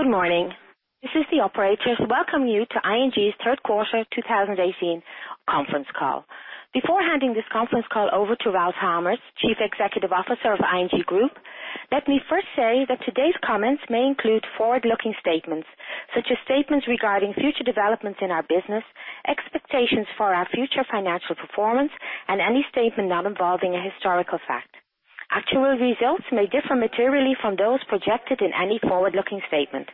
Good morning. This is the operator to welcome you to ING's third quarter 2018 conference call. Before handing this conference call over to Ralph Hamers, Chief Executive Officer of ING Group, let me first say that today's comments may include forward-looking statements, such as statements regarding future developments in our business, expectations for our future financial performance, and any statement not involving a historical fact. Actual results may differ materially from those projected in any forward-looking statement.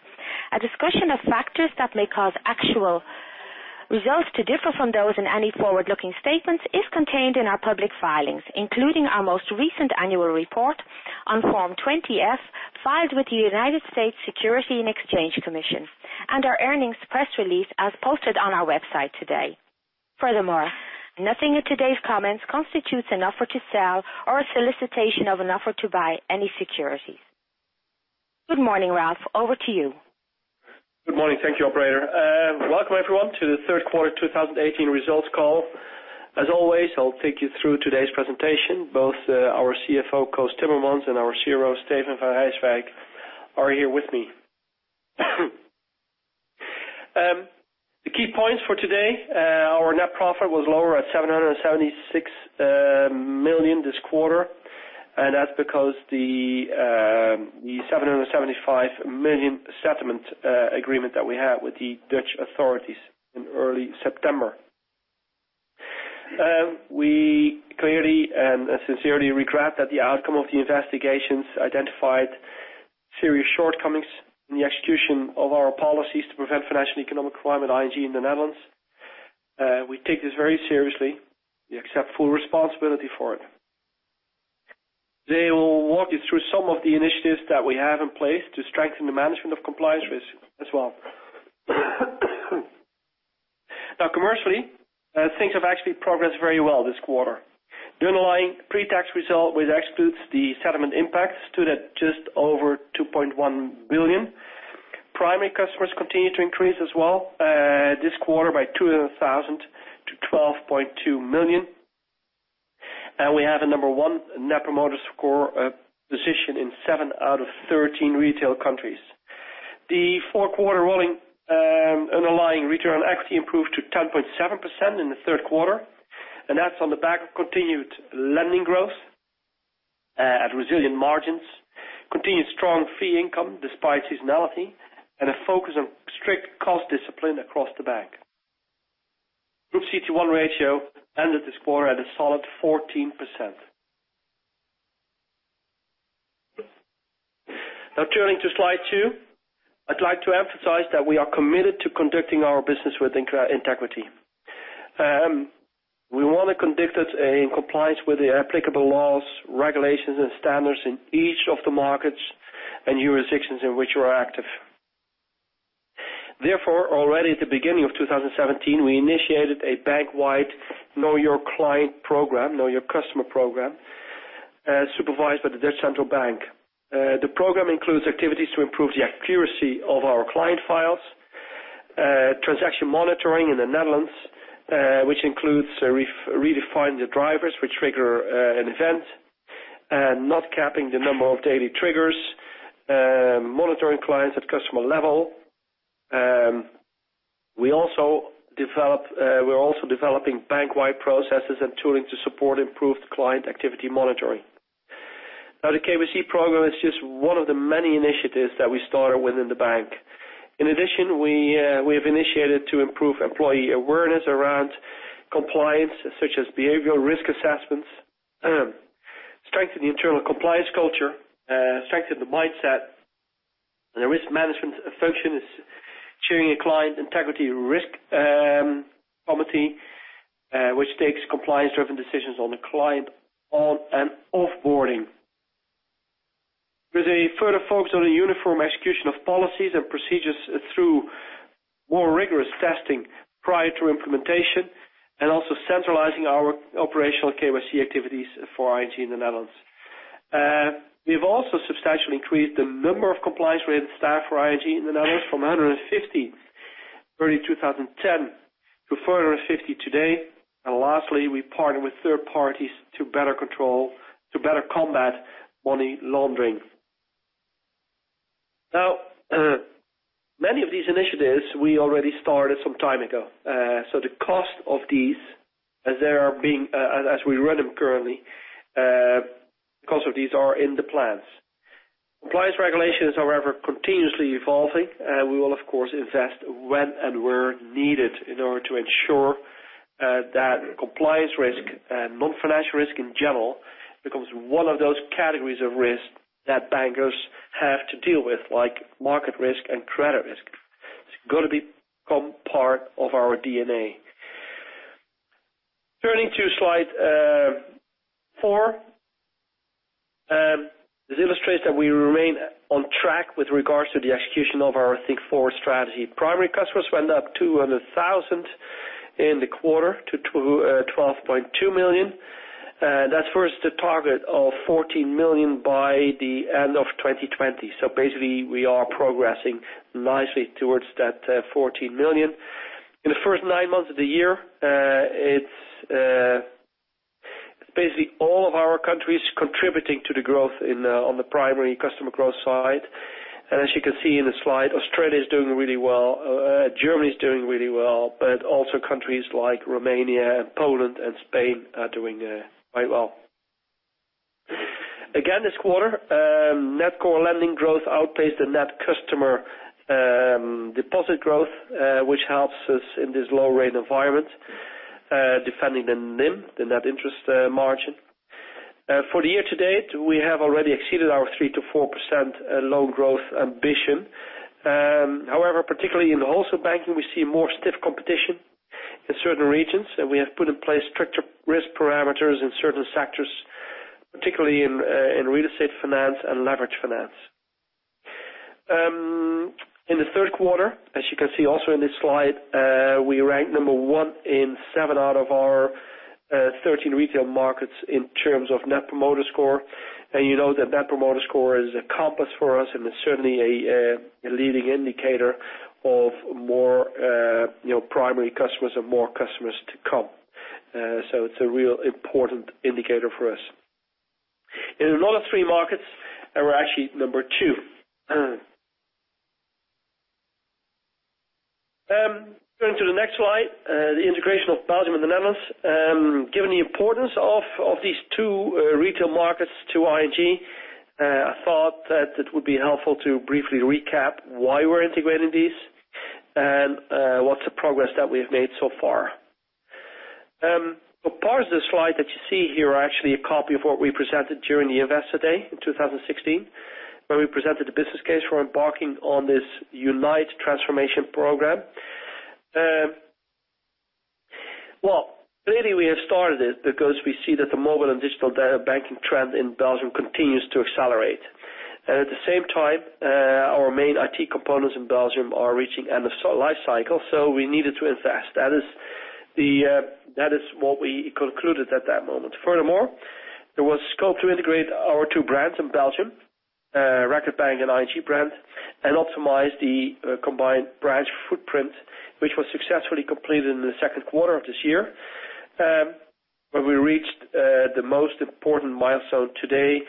A discussion of factors that may cause actual results to differ from those in any forward-looking statements is contained in our public filings, including our most recent annual report on Form 20-F, filed with the United States Securities and Exchange Commission, and our earnings press release as posted on our website today. Nothing in today's comments constitutes an offer to sell or a solicitation of an offer to buy any securities. Good morning, Ralph. Over to you. Good morning. Thank you, operator. Welcome, everyone, to the third quarter 2018 results call. As always, I'll take you through today's presentation. Both our CFO, Koos Timmermans, and our CRO, Steven van Rijswijk, are here with me. The key points for today, our net profit was lower at 776 million this quarter, that's because the 775 million settlement agreement that we had with the Dutch authorities in early September. We clearly and sincerely regret that the outcome of the investigations identified serious shortcomings in the execution of our policies to prevent financial economic crime at ING in the Netherlands. We take this very seriously. We accept full responsibility for it. They will walk you through some of the initiatives that we have in place to strengthen the management of compliance risk as well. Commercially, things have actually progressed very well this quarter. The underlying pre-tax result, which excludes the settlement impact, stood at just over 2.1 billion. Primary customers continue to increase as well this quarter by 200,000 to 12.2 million. We have a number one Net Promoter Score position in seven out of 13 retail countries. The four-quarter rolling underlying return on equity improved to 10.7% in the third quarter, that's on the back of continued lending growth at resilient margins, continued strong fee income despite seasonality, and a focus on strict cost discipline across the bank. Group CET1 ratio ended the quarter at a solid 14%. Turning to slide two, I'd like to emphasize that we are committed to conducting our business with integrity. We want to conduct it in compliance with the applicable laws, regulations, and standards in each of the markets and jurisdictions in which we are active. Already at the beginning of 2017, we initiated a bank-wide Know Your Customer program, supervised by the Dutch National Bank. The program includes activities to improve the accuracy of our client files, transaction monitoring in the Netherlands which includes redefining the drivers which trigger an event, and not capping the number of daily triggers, monitoring clients at customer level. We're also developing bank-wide processes and tooling to support improved client activity monitoring. The KYC program is just one of the many initiatives that we started within the bank. In addition, we have initiated to improve employee awareness around compliance, such as behavioral risk assessments, strengthen the internal compliance culture, strengthen the mindset. The risk management function is chairing a client integrity risk committee, which takes compliance-driven decisions on the client on and off-boarding. With a further focus on the uniform execution of policies and procedures through more rigorous testing prior to implementation and also centralizing our operational KYC activities for ING in the Netherlands. We've also substantially increased the number of compliance-related staff for ING in the Netherlands from 150 early 2010 to 450 today. Lastly, we partnered with third parties to better combat money laundering. Many of these initiatives we already started some time ago. The cost of these as we run them currently, the cost of these are in the plans. Compliance regulation is, however, continuously evolving. We will, of course, invest when and where needed in order to ensure that compliance risk and non-financial risk in general becomes one of those categories of risk that bankers have to deal with, like market risk and credit risk. It's got to become part of our DNA. Turning to slide four. This illustrates that we remain on track with regards to the execution of our Think Forward strategy. Primary customers went up 200,000 in the quarter to 12.2 million. That's versus the target of 14 million by the end of 2020. Basically, we are progressing nicely towards that 14 million. In the first nine months of the year, Basically, all of our countries contributing to the growth on the primary customer growth side. As you can see in the slide, Australia is doing really well, Germany is doing really well, but also countries like Romania and Poland and Spain are doing quite well. Again, this quarter, net core lending growth outpaced the net customer deposit growth, which helps us in this low rate environment, defending the NIM, the net interest margin. For the year to date, we have already exceeded our 3%-4% loan growth ambition. However, particularly in wholesale banking, we see more stiff competition in certain regions, we have put in place stricter risk parameters in certain sectors, particularly in real estate finance and leverage finance. In the third quarter, as you can see also in this slide, we ranked number one in seven out of our 13 retail markets in terms of Net Promoter Score. You know that Net Promoter Score is a compass for us, and it's certainly a leading indicator of more primary customers and more customers to come. It's a real important indicator for us. In another three markets, we're actually number two. Going to the next slide, the integration of Belgium and the Netherlands. Given the importance of these two retail markets to ING, I thought that it would be helpful to briefly recap why we're integrating these and what's the progress that we have made so far. The parts of the slide that you see here are actually a copy of what we presented during the Investor Day in 2016, where we presented the business case for embarking on this Unite transformation program. Well, clearly we have started it because we see that the mobile and digital banking trend in Belgium continues to accelerate. At the same time, our main IT components in Belgium are reaching end of life cycle, so we needed to invest. That is what we concluded at that moment. Furthermore, there was scope to integrate our two brands in Belgium, Record Bank and ING brand, and optimize the combined branch footprint, which was successfully completed in the second quarter of this year, where we reached the most important milestone to date,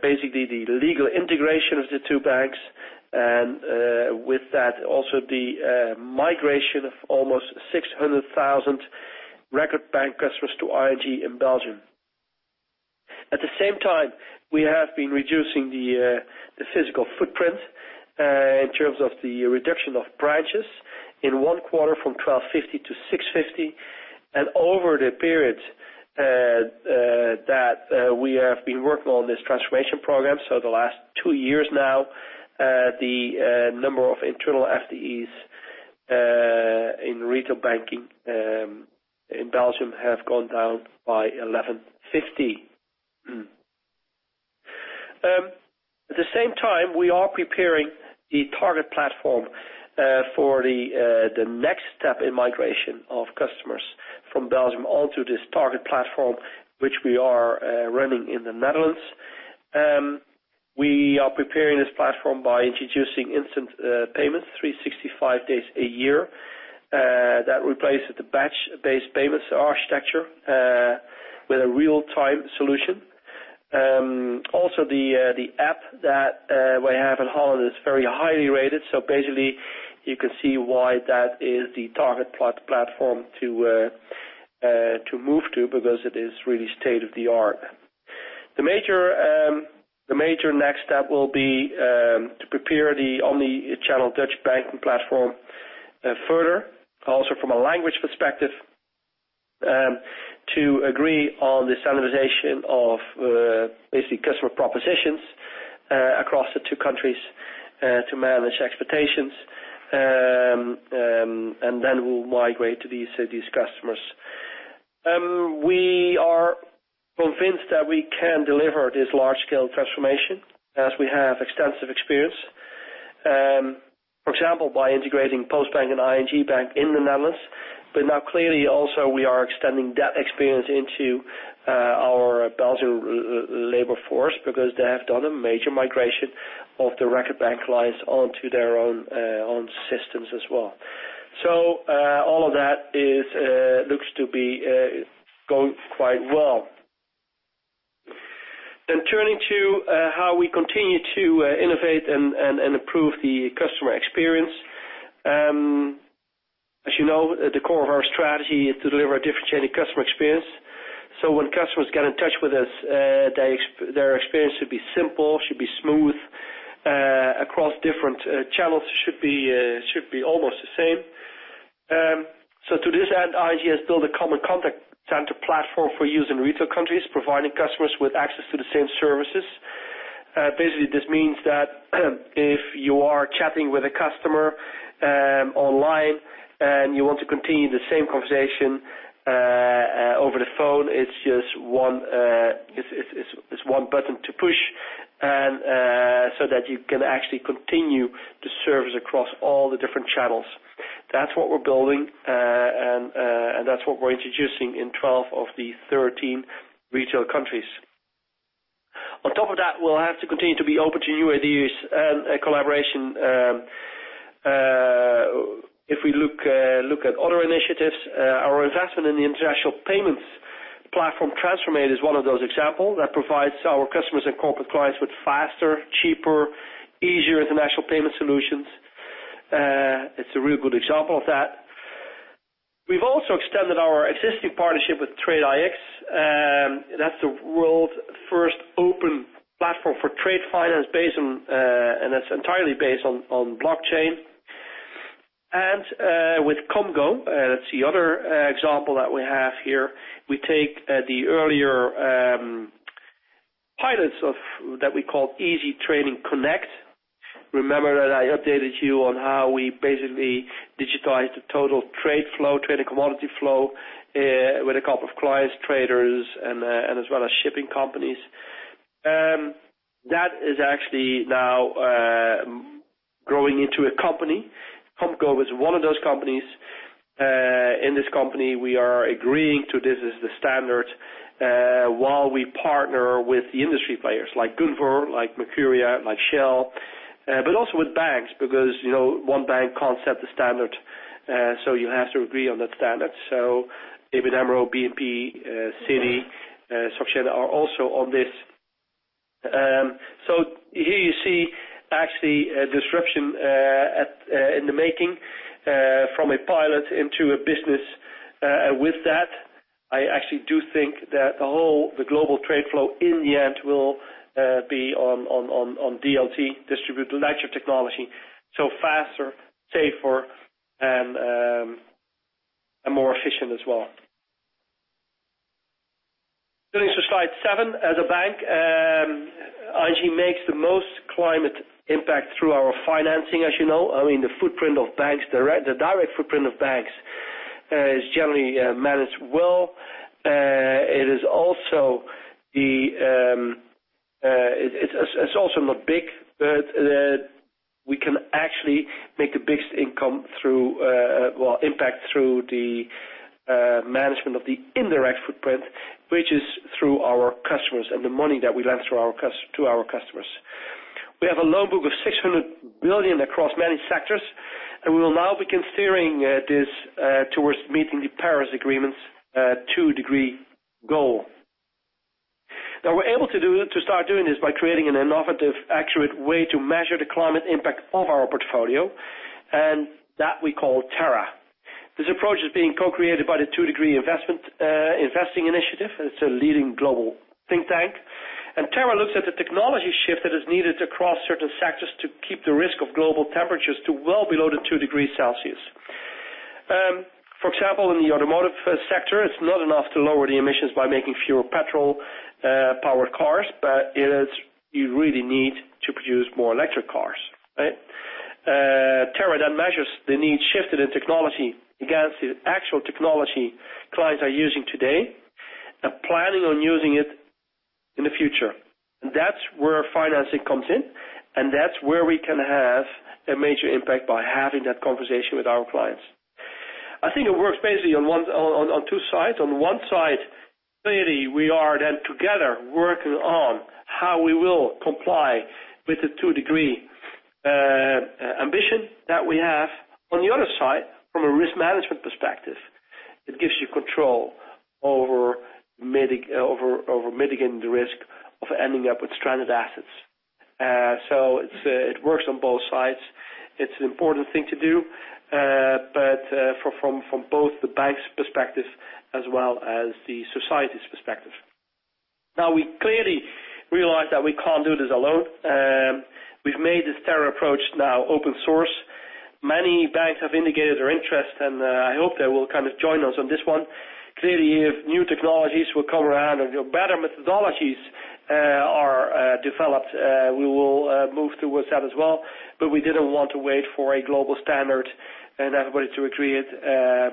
basically the legal integration of the two banks, and with that, also the migration of almost 600,000 Record Bank customers to ING in Belgium. At the same time, we have been reducing the physical footprint in terms of the reduction of branches in one quarter from 1,250 to 650. Over the period that we have been working on this transformation program, so the last two years now, the number of internal FTEs in retail banking in Belgium have gone down by 1,150. At the same time, we are preparing the target platform for the next step in migration of customers from Belgium onto this target platform, which we are running in the Netherlands. We are preparing this platform by introducing instant payments 365 days a year. That replaces the batch-based payments architecture with a real-time solution. Also, the app that we have in Holland is very highly rated. Basically, you can see why that is the target platform to move to, because it is really state-of-the-art. The major next step will be to prepare the omni-channel Dutch banking platform further, also from a language perspective, to agree on the standardization of basically customer propositions across the two countries to manage expectations, then we'll migrate these customers. We are convinced that we can deliver this large-scale transformation as we have extensive experience. For example, by integrating Postbank and ING Bank in the Netherlands. Now clearly also we are extending that experience into our Belgium labor force because they have done a major migration of the Record Bank clients onto their own systems as well. All of that looks to be going quite well. Turning to how we continue to innovate and improve the customer experience. As you know, at the core of our strategy is to deliver a differentiating customer experience. When customers get in touch with us, their experience should be simple, should be smooth, across different channels should be almost the same. To this end, ING has built a common contact center platform for use in retail countries, providing customers with access to the same services. Basically, this means that if you are chatting with a customer online, you want to continue the same conversation over the phone, it's just one button to push so that you can actually continue the service across all the different channels. That's what we're building, and that's what we're introducing in 12 of the 13 retail countries. On top of that, we'll have to continue to be open to new ideas and collaboration. If we look at other initiatives, our investment in the international payments platform, TransferMate, is one of those examples that provides our customers and corporate clients with faster, cheaper, easier international payment solutions. It's a real good example of that. We've also extended our existing partnership with TradeIX. That's the world's first open platform for trade finance, and that's entirely based on blockchain. With Komgo, that's the other example that we have here. We take the earlier pilots that we called Easy Trading Connect. Remember that I updated you on how we basically digitized the total trade flow, trade and commodity flow, with a couple of clients, traders, and as well as shipping companies. That is actually now growing into a company. Komgo is one of those companies. In this company, we are agreeing to this as the standard, while we partner with the industry players like Gunvor, like Mercuria, like Shell, but also with banks, because one bank can't set the standard, you have to agree on that standard. ABN AMRO, BNP, Citi, Soc Gen are also on this. Here you see actually a disruption in the making from a pilot into a business. With that, I actually do think that the global trade flow in the end will be on DLT, distributed ledger technology, faster, safer, and more efficient as well. Going to slide seven. As a bank, ING makes the most climate impact through our financing, as you know. The direct footprint of banks is generally managed well. It's also not big, but we can actually make the biggest impact through the management of the indirect footprint, which is through our customers and the money that we lend to our customers. We have a loan book of 600 billion across many sectors, and we will now be considering this towards meeting the Paris Agreement's two-degree goal. We're able to start doing this by creating an innovative, accurate way to measure the climate impact of our portfolio, and that we call Terra. This approach is being co-created by the 2° Investing Initiative, and it's a leading global think tank. Terra looks at the technology shift that is needed across certain sectors to keep the risk of global temperatures to well below the two degrees Celsius. For example, in the automotive sector, it's not enough to lower the emissions by making fewer petrol-powered cars, but you really need to produce more electric cars, right? Terra then measures the need shifted in technology against the actual technology clients are using today and planning on using it in the future. That's where financing comes in, and that's where we can have a major impact by having that conversation with our clients. I think it works basically on two sides. On one side, clearly, we are then together working on how we will comply with the two degree ambition that we have. From a risk management perspective, it gives you control over mitigating the risk of ending up with stranded assets. It works on both sides. It's an important thing to do, from both the bank's perspective as well as the society's perspective. We clearly realize that we can't do this alone. We've made this Terra approach now open source. Many banks have indicated their interest, and I hope they will join us on this one. If new technologies will come around or better methodologies are developed, we will move towards that as well. We didn't want to wait for a global standard and everybody to agree it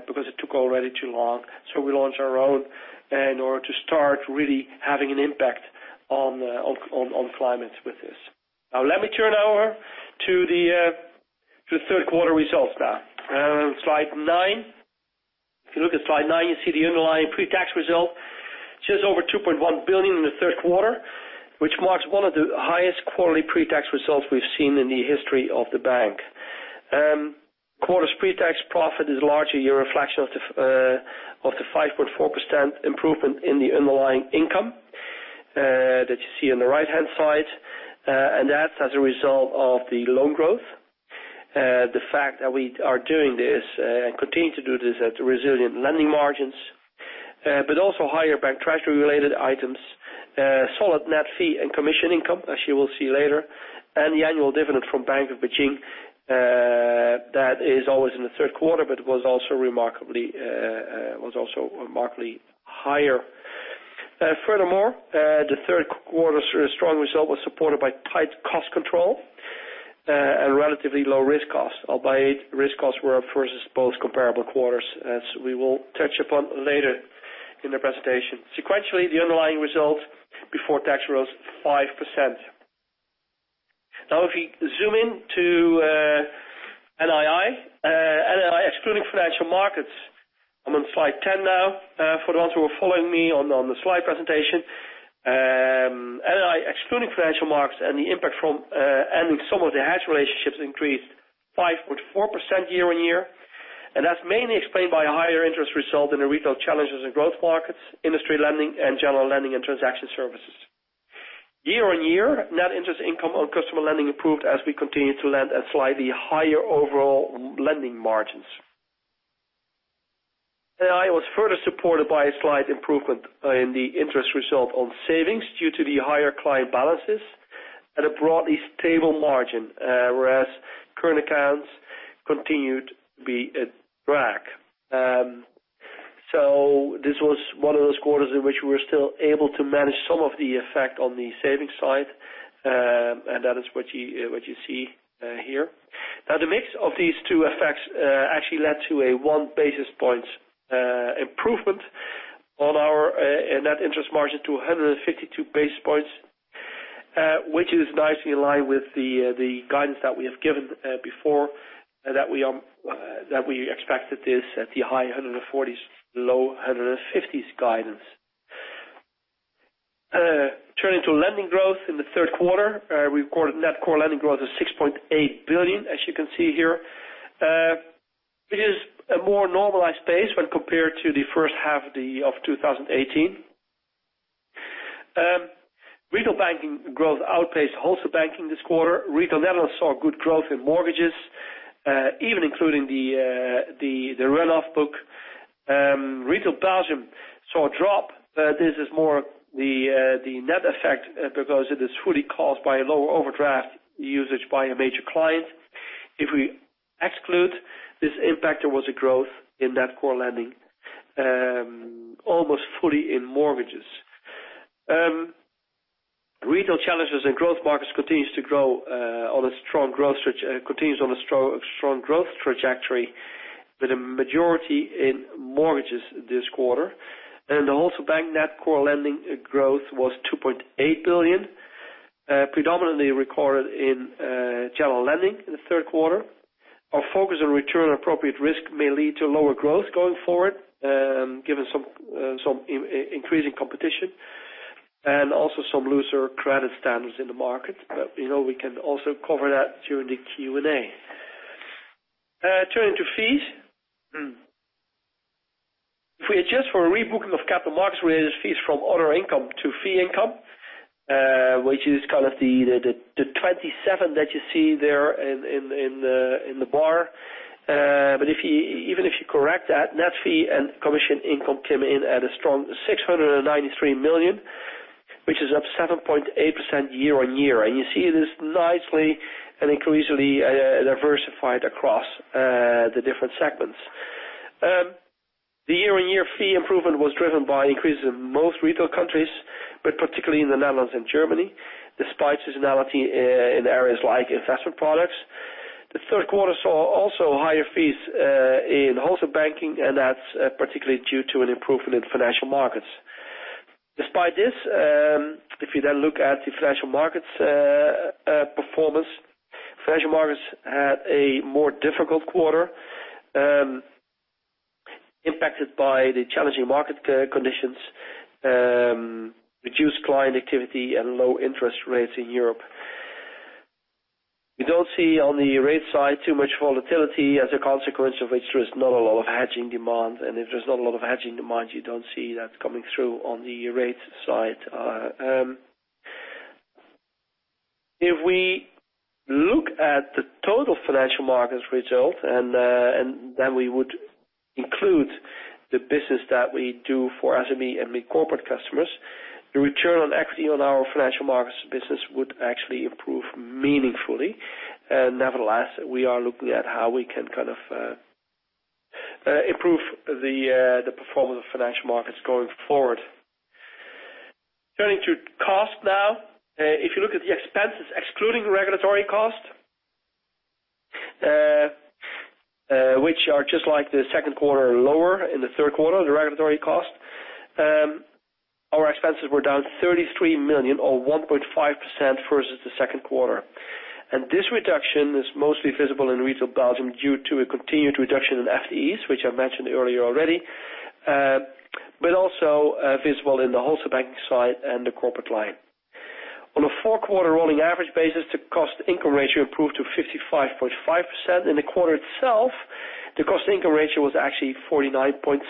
because it took already too long. We launched our own in order to start really having an impact on climate with this. Let me turn over to the third quarter results now. Slide nine. If you look at slide nine, you see the underlying pre-tax result, just over 2.1 billion in the third quarter, which marks one of the highest quality pre-tax results we've seen in the history of the bank. Quarter's pre-tax profit is largely a reflection of the 5.4% improvement in the underlying income that you see on the right-hand side. That's as a result of the loan growth, the fact that we are doing this and continue to do this at resilient lending margins, but also higher bank treasury-related items, solid net fee and commission income, as you will see later, and the annual dividend from Bank of Beijing, that is always in the third quarter, but was also remarkably higher. Furthermore, the third quarter strong result was supported by tight cost control and relatively low risk costs, up by eight risk costs versus both comparable quarters, as we will touch upon later in the presentation. Sequentially, the underlying result before tax rose 5%. If we zoom in to-Markets. I'm on slide 10 now, for the ones who are following me on the slide presentation. NII, excluding financial markets and the impact from ending some of the hedge relationships, increased 5.4% year-on-year. That's mainly explained by a higher interest result in the retail Challengers in growth markets, industry lending, and general lending and transaction services. Year-on-year, net interest income on customer lending improved as we continued to lend at slightly higher overall lending margins. NII was further supported by a slight improvement in the interest result on savings due to the higher client balances and a broadly stable margin, whereas current accounts continued to be at drag. This was one of those quarters in which we were still able to manage some of the effect on the savings side, and that is what you see here. The mix of these two effects actually led to a one basis points improvement on our net interest margin to 152 basis points, which is nicely in line with the guidance that we have given before, that we expected this at the high 140s, low 150s guidance. Turning to lending growth in the third quarter. We recorded net core lending growth of 6.8 billion, as you can see here. It is a more normalized pace when compared to the first half of 2018. Retail banking growth outpaced wholesale banking this quarter. Retail Netherlands saw good growth in mortgages, even including the run-off book. Retail Belgium saw a drop. This is more the net effect because it is fully caused by a lower overdraft usage by a major client. If we exclude this impact, there was a growth in net core lending, almost fully in mortgages. Retail Challengers & Growth markets continues on a strong growth trajectory with a majority in mortgages this quarter. The wholesale bank net core lending growth was 2.8 billion, predominantly recorded in general lending in the third quarter. Our focus on return appropriate risk may lead to lower growth going forward, given some increasing competition and also some looser credit standards in the market. We can also cover that during the Q&A. Turning to fees. If we adjust for a rebooking of capital markets related fees from other income to fee income, which is the 27 that you see there in the bar. Even if you correct that, net fee and commission income came in at a strong 693 million, which is up 7.8% year-on-year. You see it is nicely and increasingly diversified across the different segments. The year-on-year fee improvement was driven by increases in most retail countries, but particularly in the Netherlands and Germany, despite seasonality in areas like investment products. The third quarter saw also higher fees in wholesale banking, and that's particularly due to an improvement in financial markets. Despite this, if you then look at the financial markets performance, financial markets had a more difficult quarter, impacted by the challenging market conditions, reduced client activity, and low interest rates in Europe. We don't see on the rate side too much volatility as a consequence of which there is not a lot of hedging demand. If there's not a lot of hedging demand, you don't see that coming through on the rate side. If we look at the total financial markets result, and then we would include the business that we do for SME and big corporate customers, the return on equity on our financial markets business would actually improve meaningfully. Nevertheless, we are looking at how we can improve the performance of financial markets going forward. Turning to cost now. If you look at the expenses excluding regulatory costs, which are just like the second quarter, lower in the third quarter. Our expenses were down 33 million or 1.5% versus the second quarter. This reduction is mostly visible in Retail Belgium due to a continued reduction in FTEs, which I mentioned earlier already, but also visible in the wholesale banking side and the corporate line. On a four-quarter rolling average basis, the cost-to-income ratio improved to 55.5%. In the quarter itself, the cost-to-income ratio was actually 49.7%.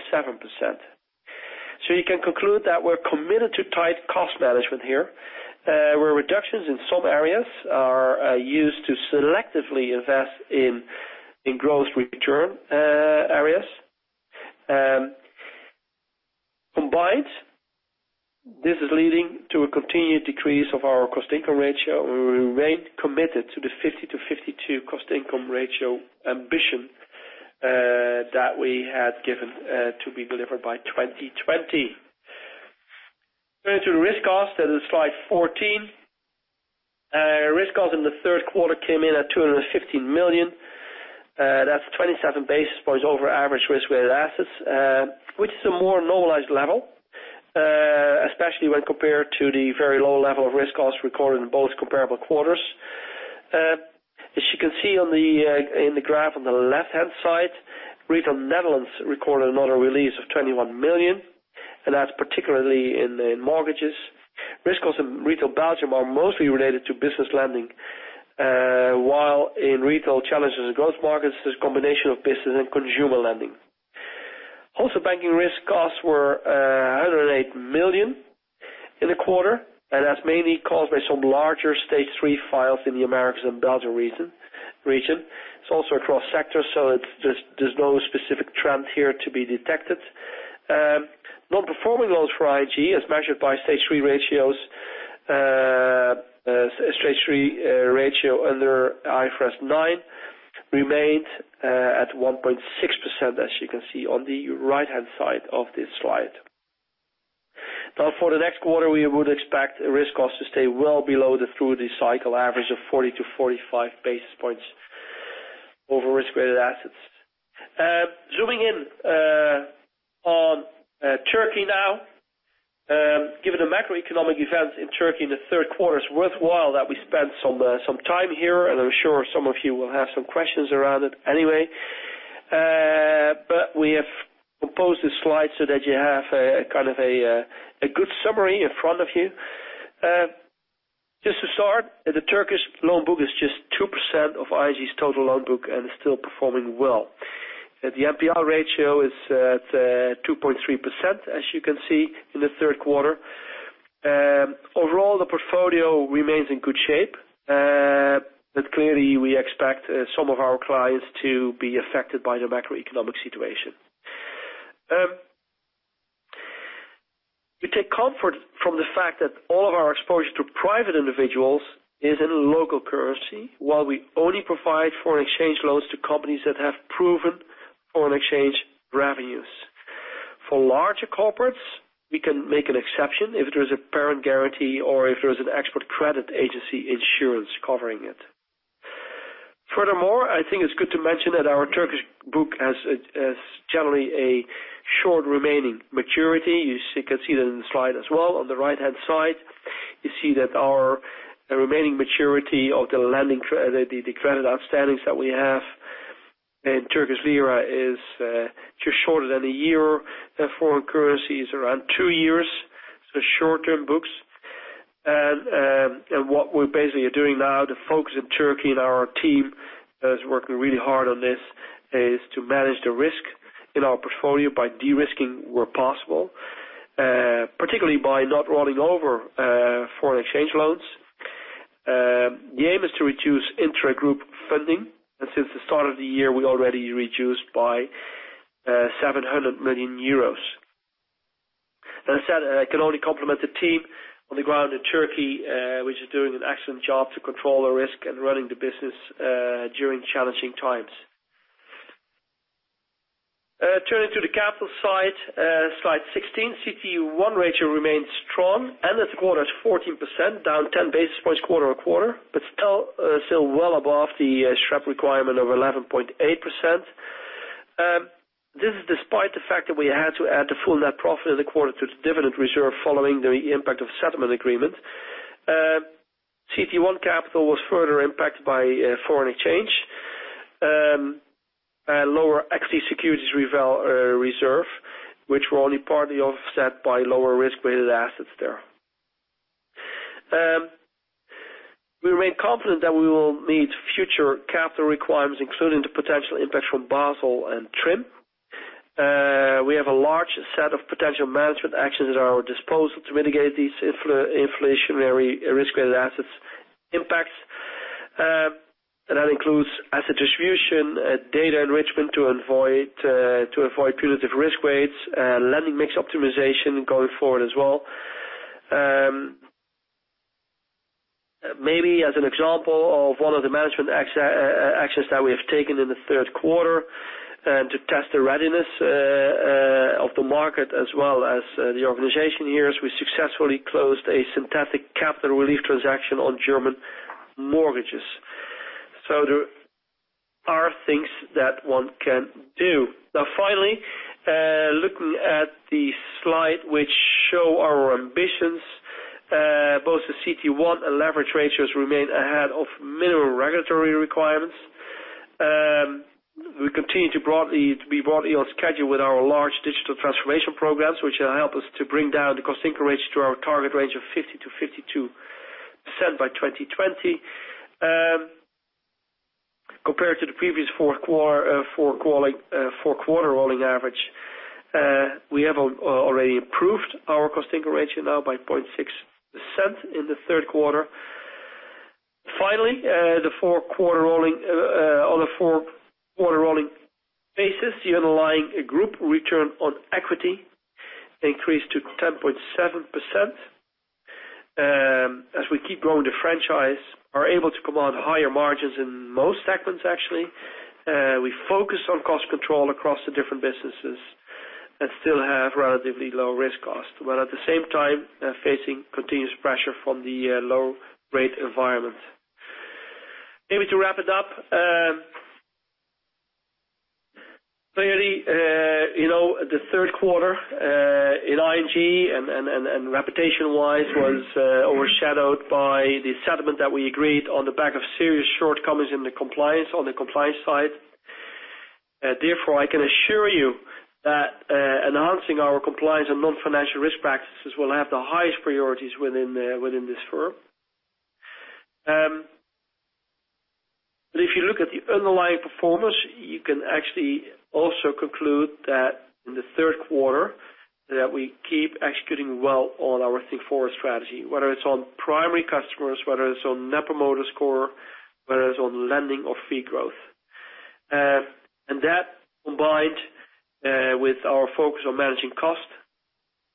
You can conclude that we're committed to tight cost management here, where reductions in some areas are used to selectively invest in gross return areas. Combined, this is leading to a continued decrease of our cost-to-income ratio, and we remain committed to the 50-52 cost-to-income ratio ambition that we had given to be delivered by 2020. Turning to risk cost, that is slide 14. Risk cost in the third quarter came in at 215 million. That's 27 basis points over average risk-weighted assets, which is a more normalized level, especially when compared to the very low level of risk cost recorded in both comparable quarters. As you can see in the graph on the left-hand side, Retail Netherlands recorded another release of 21 million, and that's particularly in the mortgages. Risk costs in Retail Belgium are mostly related to business lending, while in Retail Challengers in Growth markets, there's a combination of business and consumer lending. Banking risk costs were 108 million in the quarter, and that's mainly caused by some larger Stage 3 files in the Americas and Belgium region. It's also across sectors, so there's no specific trend here to be detected. Non-performing loans for ING, as measured by Stage 3 ratio under IFRS 9, remained at 1.6%, as you can see on the right-hand side of this slide. For the next quarter, we would expect risk costs to stay well below the through-the-cycle average of 40 to 45 basis points over risk-weighted assets. Zooming in on Turkey now. Given the macroeconomic events in Turkey in the third quarter, it's worthwhile that we spend some time here, and I'm sure some of you will have some questions around it anyway. We have composed this slide so that you have a good summary in front of you. Just to start, the Turkish loan book is just 2% of ING's total loan book and is still performing well. The NPL ratio is at 2.3%, as you can see in the third quarter. Overall, the portfolio remains in good shape, but clearly, we expect some of our clients to be affected by the macroeconomic situation. We take comfort from the fact that all of our exposure to private individuals is in local currency, while we only provide foreign exchange loans to companies that have proven foreign exchange revenues. For larger corporates, we can make an exception if there is a parent guarantee or if there is an export credit agency insurance covering it. Furthermore, I think it's good to mention that our Turkish book has generally a short remaining maturity. You can see that in the slide as well. On the right-hand side, you see that our remaining maturity of the credit outstandings that we have in Turkish lira is just shorter than a year. Foreign currency is around two years, so short-term books. What we basically are doing now, the folks in Turkey and our team that is working really hard on this, is to manage the risk in our portfolio by de-risking where possible, particularly by not rolling over foreign exchange loans. The aim is to reduce intragroup funding. Since the start of the year, we already reduced by 700 million euros. As I said, I can only compliment the team on the ground in Turkey, which is doing an excellent job to control the risk and running the business during challenging times. Turning to the capital side, slide 16. CET1 ratio remains strong. End of the quarter is 14%, down 10 basis points quarter-over-quarter, but still well above the SREP requirement of 11.8%. This is despite the fact that we had to add the full net profit of the quarter to the dividend reserve following the impact of settlement agreement. CET1 capital was further impacted by foreign exchange, lower EC securities reserve, which were only partly offset by lower risk-weighted assets there. We remain confident that we will meet future capital requirements, including the potential impact from Basel and TRIM. We have a large set of potential management actions at our disposal to mitigate these inflationary risk-weighted assets impacts. That includes asset distribution, data enrichment to avoid punitive risk weights, lending mix optimization going forward as well. Maybe as an example of one of the management actions that we have taken in the third quarter to test the readiness of the market as well as the organization here, is we successfully closed a synthetic capital relief transaction on German mortgages. There are things that one can do. Finally, looking at the slide which show our ambitions both the CET1 and leverage ratios remain ahead of minimum regulatory requirements. We continue to be broadly on schedule with our large digital transformation programs, which help us to bring down the cost-income ratio to our target range of 50%-52% by 2020. Compared to the previous four-quarter rolling average, we have already improved our cost-income ratio now by 0.60 in the third quarter. Finally, on a four-quarter rolling basis, the underlying group return on equity increased to 10.7%. As we keep growing the franchise, are able to command higher margins in most segments, actually. We focus on cost control across the different businesses and still have relatively low risk cost, while at the same time facing continuous pressure from the low rate environment. Maybe to wrap it up. The third quarter in ING and reputation-wise was overshadowed by the settlement that we agreed on the back of serious shortcomings on the compliance side. Therefore, I can assure you that enhancing our compliance and non-financial risk practices will have the highest priorities within this firm. But if you look at the underlying performance, you can actually also conclude that in the third quarter that we keep executing well on our Think Forward strategy, whether it's on primary customers, whether it's on Net Promoter Score, whether it's on lending or fee growth. And that, combined with our focus on managing cost,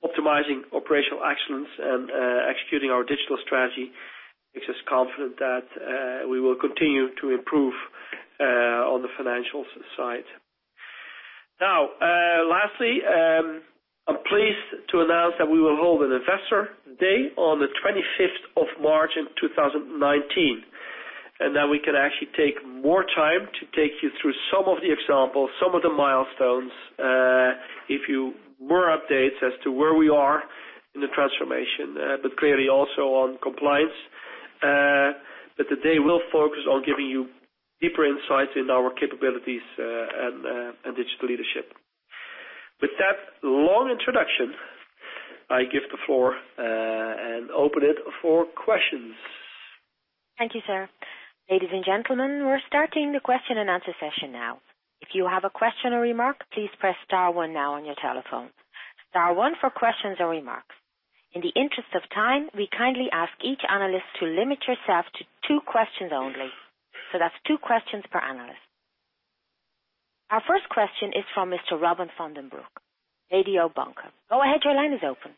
optimizing operational excellence, and executing our digital strategy, makes us confident that we will continue to improve on the financials side. Lastly, I'm pleased to announce that we will hold an Investor Day on the 25th of March in 2019, and that we can actually take more time to take you through some of the examples, some of the milestones, give you more updates as to where we are in the transformation. But clearly also on compliance. But the day will focus on giving you deeper insights in our capabilities and digital leadership. With that long introduction, I give the floor and open it for questions. Thank you, sir. Ladies and gentlemen, we're starting the question and answer session now. If you have a question or remark, please press star one now on your telephone. Star one for questions or remarks. In the interest of time, we kindly ask each analyst to limit yourself to two questions only. That's two questions per analyst. Our first question is from Mr. Robin van den Broek, Mediobanca. Go ahead, your line is open.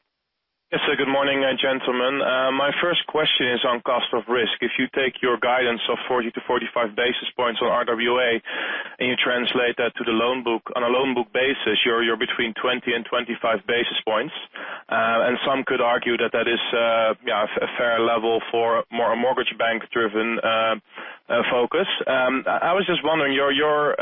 Yes, sir. Good morning, gentlemen. My first question is on cost of risk. If you take your guidance of 40-45 basis points on RWA and you translate that to the loan book, on a loan book basis, you're between 20-25 basis points. Some could argue that that is a fair level for a mortgage bank-driven focus. I was just wondering, your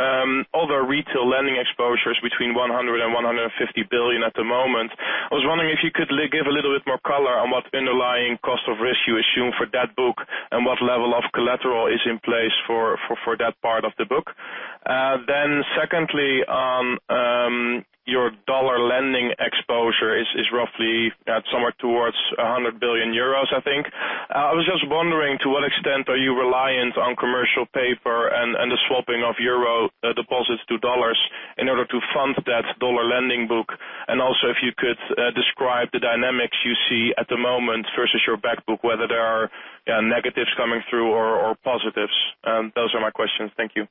other retail lending exposures between 100 billion-150 billion at the moment, I was wondering if you could give a little bit more color on what underlying cost of risk you assume for that book and what level of collateral is in place for that part of the book. Secondly, your U.S. dollar lending exposure is roughly at somewhere towards 100 billion euros, I think. I was just wondering to what extent are you reliant on commercial paper and the swapping of EUR deposits to U.S. dollars in order to fund that U.S. dollar lending book? Also, if you could describe the dynamics you see at the moment versus your back book, whether there are negatives coming through or positives. Those are my questions. Thank you.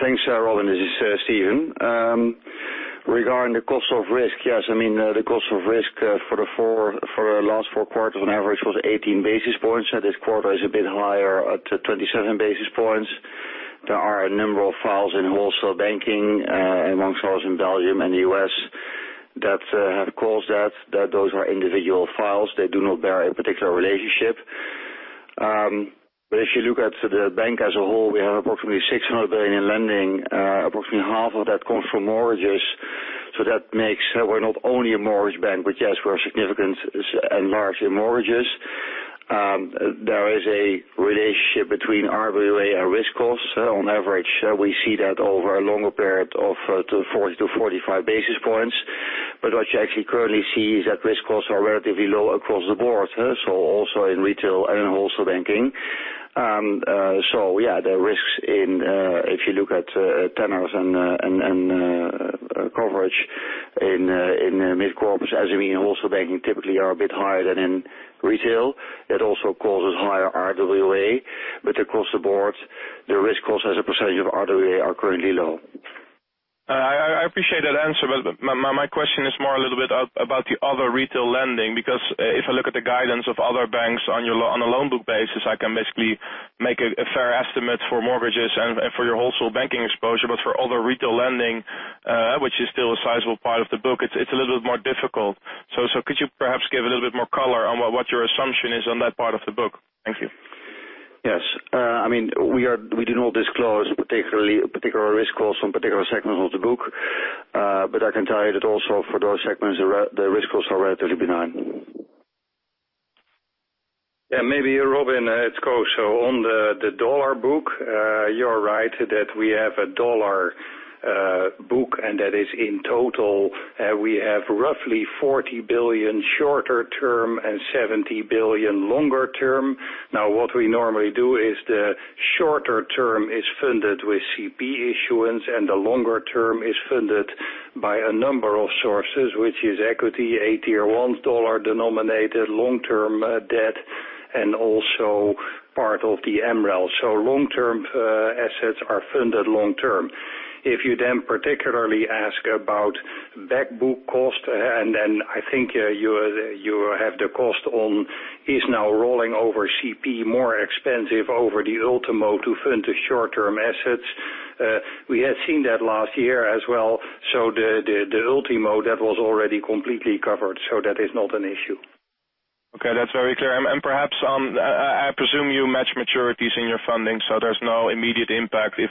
Thanks, Robin. This is Steven. Regarding the cost of risk, yes, the cost of risk for the last four quarters on average was 18 basis points. This quarter is a bit higher at 27 basis points. There are a number of files in wholesale banking amongst us in Belgium and the U.S. that have caused that. Those are individual files. They do not bear a particular relationship. If you look at the bank as a whole, we have approximately 600 billion in lending. Approximately half of that comes from mortgages. That makes, we're not only a mortgage bank, but yes, we're significant and large in mortgages. There is a relationship between RWA and risk costs. On average, we see that over a longer period of 40-45 basis points. What you actually currently see is that risk costs are relatively low across the board. Also in retail and in wholesale banking. Yeah, the risks in, if you look at tenors and coverage in mid-corps, as we in wholesale banking typically are a bit higher than in retail. It also causes higher RWA. Across the board, the risk costs as a % of RWA are currently low. I appreciate that answer. My question is more a little bit about the other retail lending, because if I look at the guidance of other banks on a loan book basis, I can basically make a fair estimate for mortgages and for your wholesale banking exposure. For other retail lending, which is still a sizable part of the book, it's a little bit more difficult. Could you perhaps give a little bit more color on what your assumption is on that part of the book? Thank you. Yes. We do not disclose particular risk costs on particular segments of the book. I can tell you that also for those segments, the risk costs are relatively benign. Robin, it's Koos. On the dollar book, you're right that we have a dollar book, and that is in total, we have roughly $40 billion shorter term and $70 billion longer term. What we normally do is the shorter term is funded with CP issuance, and the longer term is funded by a number of sources, which is equity, AT1-denominated long-term debt, and also part of the MREL. Long-term assets are funded long term. If you then particularly ask about back book costs, and then I think you have the cost on is now rolling over CP more expensive over the Ultimo to fund the short-term assets. We had seen that last year as well. The Ultimo, that was already completely covered, that is not an issue. Okay. That's very clear. Perhaps, I presume you match maturities in your funding, so there's no immediate impact if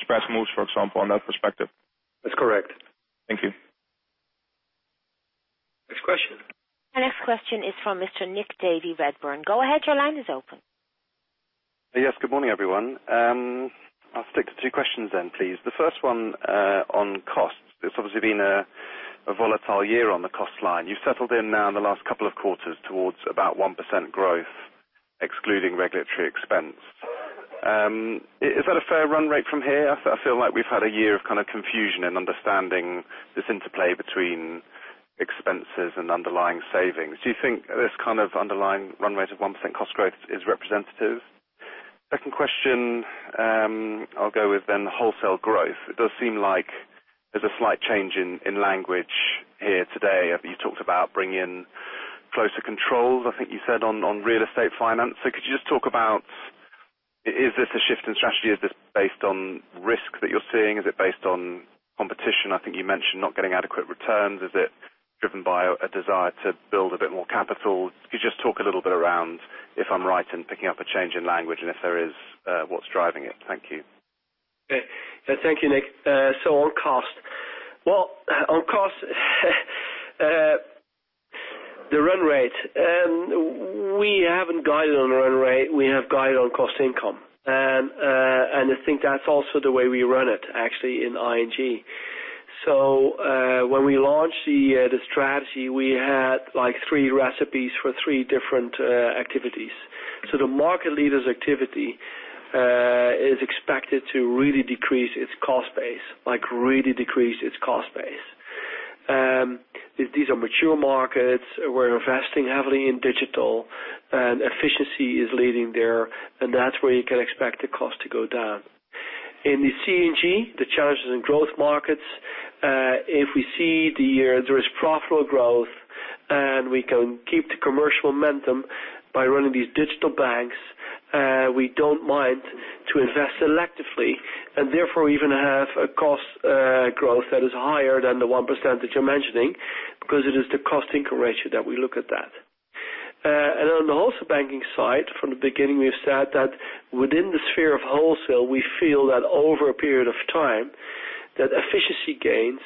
spreads moves, for example, on that perspective. That's correct. Thank you. Next question. Our next question is from Mr. Nick Davey, Redburn. Go ahead, your line is open. Yes. Good morning, everyone. I'll stick to two questions then, please. The first one, on costs. It's obviously been a volatile year on the cost line. You've settled in now in the last couple of quarters towards about 1% growth, excluding regulatory expense. Is that a fair run rate from here? I feel like we've had a year of kind of confusion in understanding this interplay between expenses and underlying savings. Do you think this kind of underlying run rate of 1% cost growth is representative? Second question, I'll go with then wholesale growth. It does seem like there's a slight change in language here today. You talked about bringing closer controls, I think you said, on real estate finance. Could you just talk about, is this a shift in strategy? Is this based on risk that you're seeing? Is it based on competition? I think you mentioned not getting adequate returns. Is it driven by a desire to build a bit more capital? Could you just talk a little bit around if I'm right in picking up a change in language, and if there is, what's driving it? Thank you. Okay. Thank you, Nick. On cost. Well, on cost, the run rate. We haven't guided on run rate. We have guided on cost income. I think that's also the way we run it, actually, in ING. When we launched the strategy, we had three recipes for three different activities. The market leaders activity, is expected to really decrease its cost base, like really decrease its cost base. These are mature markets. We're investing heavily in digital, and efficiency is leading there, and that's where you can expect the cost to go down. In the C&G, the challenges in growth markets, if we see there is profitable growth and we can keep the commercial momentum by running these digital banks, we don't mind to invest selectively and therefore even have a cost growth that is higher than the 1% that you're mentioning, because it is the cost income ratio that we look at that. On the wholesale banking side, from the beginning, we've said that within the sphere of wholesale, we feel that over a period of time, that efficiency gains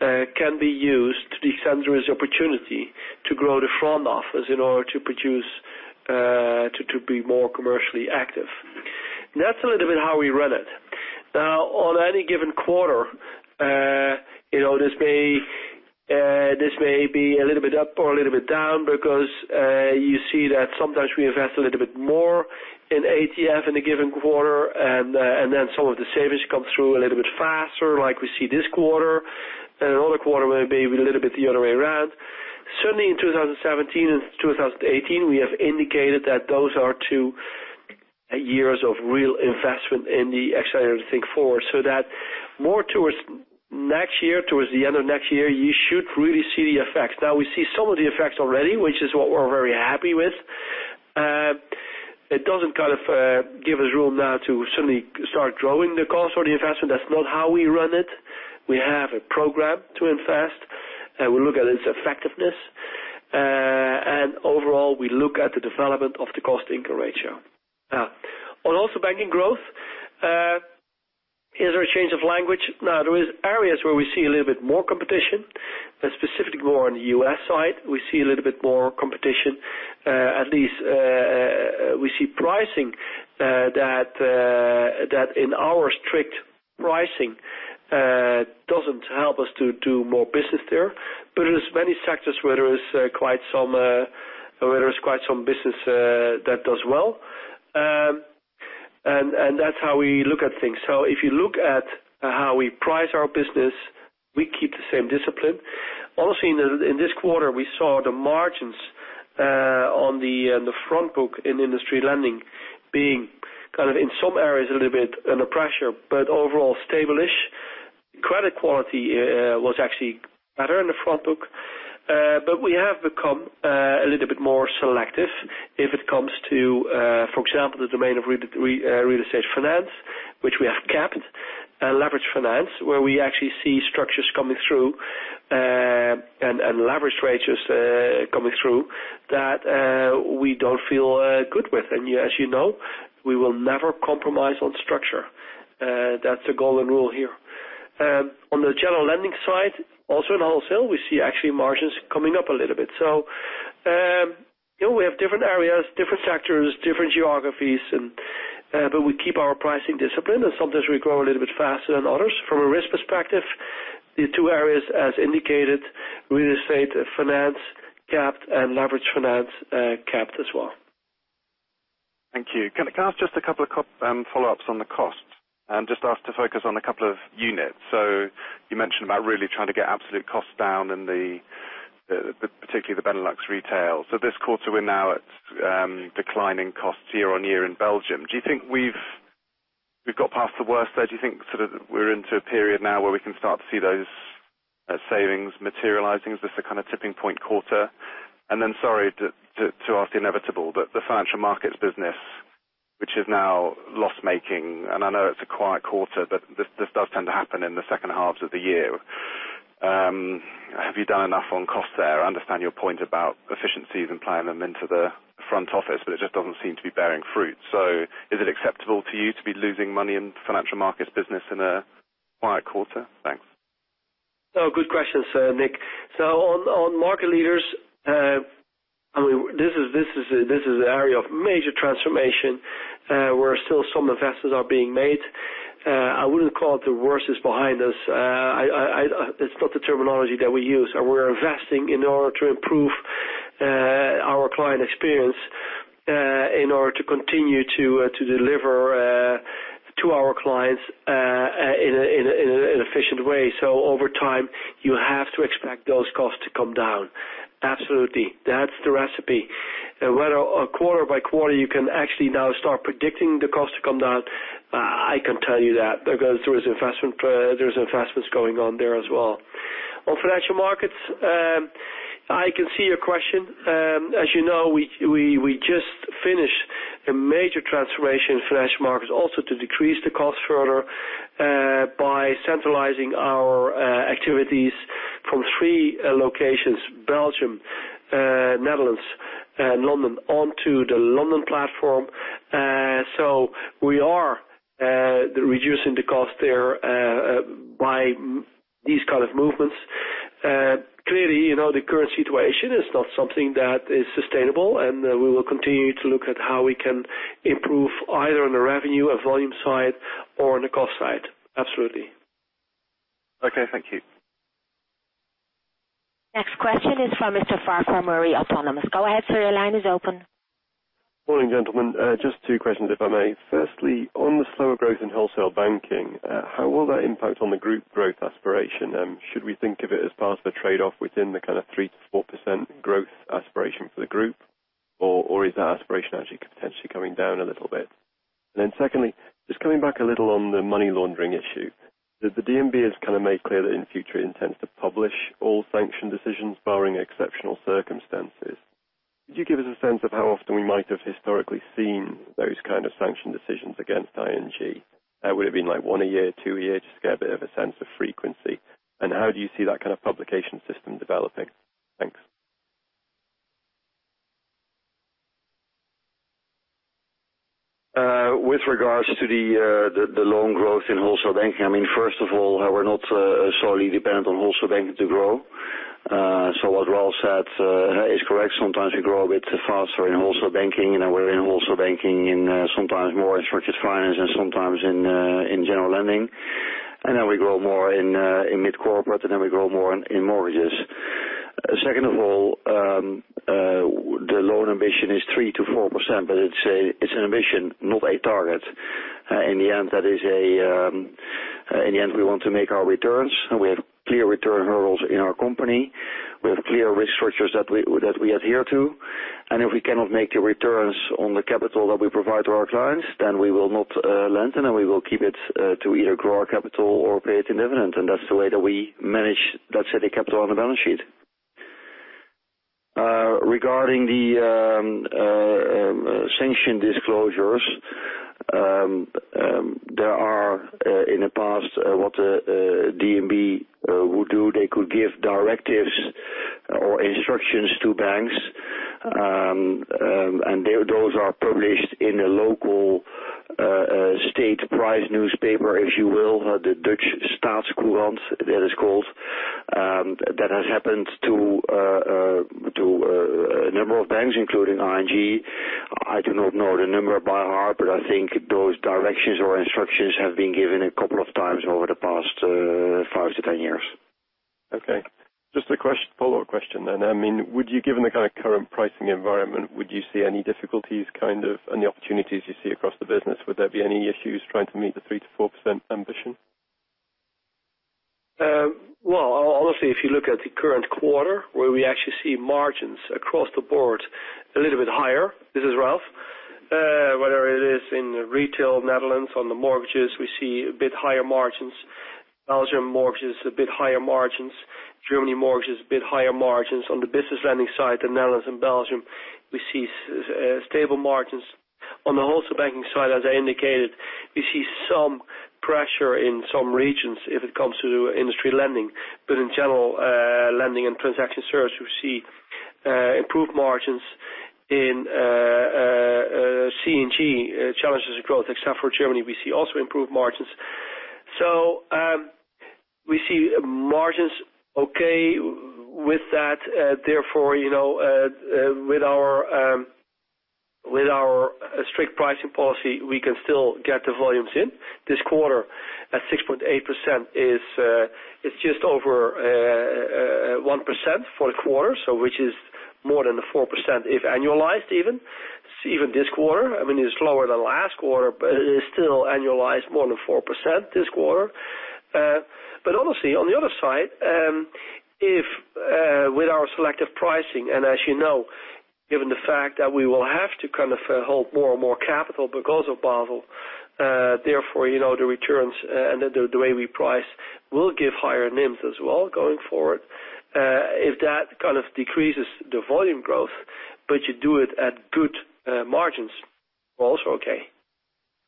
can be used to the extent there is opportunity to grow the front office in order to produce to be more commercially active. That's a little bit how we run it. On any given quarter, this may be a little bit up or a little bit down because, you see that sometimes we invest a little bit more in ATF in a given quarter, and then some of the savings come through a little bit faster, like we see this quarter. Another quarter may be a little bit the other way around. Certainly, in 2017 and 2018, we have indicated that those are two years of real investment in the Accelerate Think Forward, so that more towards next year, towards the end of next year, you should really see the effects. We see some of the effects already, which is what we're very happy with. It doesn't give us room now to suddenly start growing the cost or the investment. That's not how we run it. We have a program to invest, and we look at its effectiveness. Overall, we look at the development of the cost income ratio. On wholesale banking growth, is there a change of language? There is areas where we see a little bit more competition, but specifically more on the U.S. side. We see a little bit more competition, at least, we see pricing, that in our strict pricing, doesn't help us to do more business there. There is many sectors where there is quite some business that does well. That's how we look at things. If you look at how we price our business, we keep the same discipline. Also, in this quarter, we saw the margins on the front book in industry lending being in some areas, a little bit under pressure, but overall stable-ish. Credit quality was actually better in the front book. We have become a little bit more selective if it comes to, for example, the domain of real estate finance, which we have capped, and leveraged finance, where we actually see structures coming through, and leverage ratios coming through, that we don't feel good with. As you know, we will never compromise on structure. That's a golden rule here. On the general lending side, also in wholesale, we see actually margins coming up a little bit. We have different areas, different sectors, different geographies, but we keep our pricing discipline, and sometimes we grow a little bit faster than others. From a risk perspective, the two areas, as indicated, real estate finance, capped, and leveraged finance, capped as well. Thank you. Can I ask just a couple of follow-ups on the cost? Just ask to focus on a couple of units. You mentioned about really trying to get absolute costs down, particularly the Benelux retail. This quarter, we're now at declining costs year-over-year in Belgium. Do you think we've got past the worst there? Do you think we're into a period now where we can start to see those savings materializing? Is this a kind of tipping point quarter? Sorry to ask the inevitable, the financial markets business, which is now loss-making, and I know it's a quiet quarter, but this does tend to happen in the second halves of the year. Have you done enough on costs there? I understand your point about efficiencies and playing them into the front office, but it just doesn't seem to be bearing fruit. Is it acceptable to you to be losing money in financial markets business in a quiet quarter? Thanks. Good questions, Nick. On Market Leaders, this is an area of major transformation, where still some investments are being made. I wouldn't call it the worst is behind us. It's not the terminology that we use, and we're investing in order to improve our client experience, in order to continue to deliver to our clients in an efficient way. Over time, you have to expect those costs to come down. Absolutely. That's the recipe. Whether quarter by quarter, you can actually now start predicting the cost to come down, I can tell you that there's investments going on there as well. On financial markets, I can see your question. As you know, we just finished a major transformation in financial markets also to decrease the cost further, by centralizing our activities from three locations, Belgium, Netherlands, and London, on to the London platform. We are reducing the cost there by these kind of movements. Clearly, the current situation is not something that is sustainable, and we will continue to look at how we can improve either on the revenue of volume side or on the cost side. Absolutely. Okay, thank you. Next question is from Mr. Farquhar Murray, Autonomous. Go ahead, sir. Your line is open. Morning, gentlemen. Just two questions, if I may. Firstly, on the slower growth in wholesale banking, how will that impact on the group growth aspiration? Should we think of it as part of a trade-off within the kind of 3%-4% growth aspiration for the group? Is that aspiration actually potentially coming down a little bit? Secondly, just coming back a little on the money laundering issue. The DNB has made clear that in future it intends to publish all sanction decisions barring exceptional circumstances. Could you give us a sense of how often we might have historically seen those kind of sanction decisions against ING? Would it have been one a year, two a year? Just to get a bit of a sense of frequency. How do you see that kind of publication system developing? Thanks. With regards to the loan growth in wholesale banking, first of all, we're not solely dependent on wholesale banking to grow. What Ralph said is correct. Sometimes we grow a bit faster in wholesale banking, and we're in wholesale banking in sometimes more in structured finance and sometimes in general lending. We grow more in mid-corporate, and then we grow more in mortgages. Second of all, the loan ambition is 3%-4%, but it's an ambition, not a target. In the end, we want to make our returns, we have clear return hurdles in our company. We have clear risk structures that we adhere to. If we cannot make the returns on the capital that we provide to our clients, we will not lend, we will keep it to either grow our capital or pay it in dividends, and that is the way that we manage that set of capital on the balance sheet. Regarding the sanction disclosures, there are, in the past, what DNB would do, they could give directives or instructions to banks, and those are published in a local state prize newspaper, if you will, the Dutch Staatscourant, that is called. That has happened to a number of banks, including ING. I do not know the number by heart, but I think those directions or instructions have been given a couple of times over the past 5 to 10 years. Okay. Just a follow-up question. Given the current pricing environment, would you see any difficulties and the opportunities you see across the business? Would there be any issues trying to meet the 3%-4% ambition? Well, honestly, if you look at the current quarter, where we actually see margins across the board a little bit higher. This is Ralph. Whether it is in retail Netherlands on the mortgages, we see a bit higher margins. Belgium mortgages, a bit higher margins. Germany mortgages, a bit higher margins. On the business lending side, the Netherlands and Belgium, we see stable margins. In general, lending and transaction service, we see improved margins in C&G, Challengers & Growth, except for Germany, we see also improved margins. We see margins okay with that. Therefore, with our strict pricing policy, we can still get the volumes in. This quarter, at 6.8%, it's just over 1% for the quarter. Which is more than the 4% if annualized even. Even this quarter, it's lower than last quarter, it is still annualized more than 4% this quarter. Honestly, on the other side, with our selective pricing, and as you know, given the fact that we will have to hold more and more capital because of Basel The returns and the way we price will give higher NIMs as well going forward. If that kind of decreases the volume growth, but you do it at good margins, we're also okay.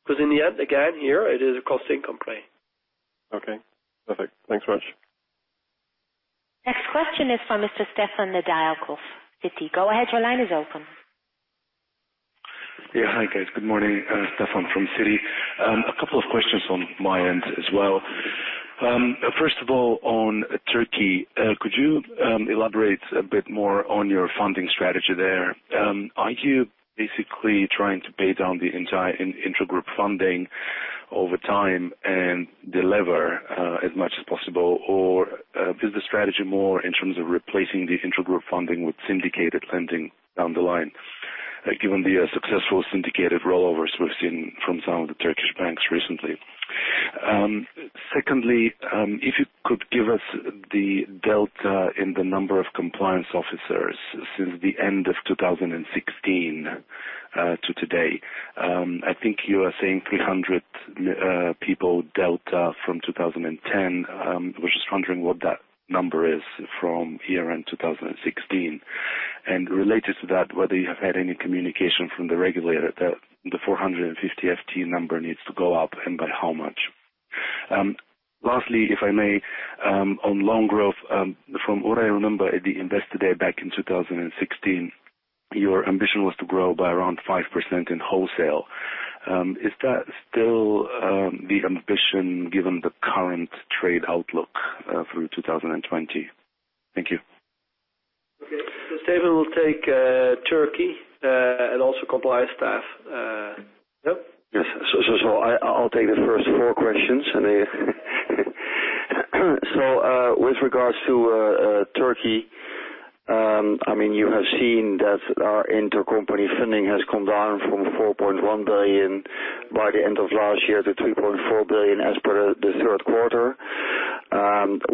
Because in the end, again, here, it is a cost income play. Perfect. Thanks much. Next question is from Mr. Stefan Nedialkov, Citi. Go ahead, your line is open. Hi, guys. Good morning. Stefan from Citi. A couple of questions from my end as well. On Turkey, could you elaborate a bit more on your funding strategy there? Are you basically trying to pay down the entire intragroup funding over time and delever as much as possible, or is the strategy more in terms of replacing the intragroup funding with syndicated lending down the line, given the successful syndicated rollovers we've seen from some of the Turkish banks recently? If you could give us the delta in the number of compliance officers since the end of 2016 to today. I think you were saying 300 people delta from 2010. I was just wondering what that number is from year-end 2016. Related to that, whether you have had any communication from the regulator that the 450 FTE number needs to go up and by how much. Lastly, if I may, on loan growth, from what I remember at the Investor Day back in 2016, your ambition was to grow by around 5% in wholesale. Is that still the ambition given the current trade outlook through 2020? Thank you. Okay. Steven, we'll take Turkey, and also compliance staff. Yep. Yes. I'll take the first four questions. With regards to Turkey, you have seen that our intercompany funding has come down from 4.1 billion by the end of last year to 3.4 billion as per the third quarter.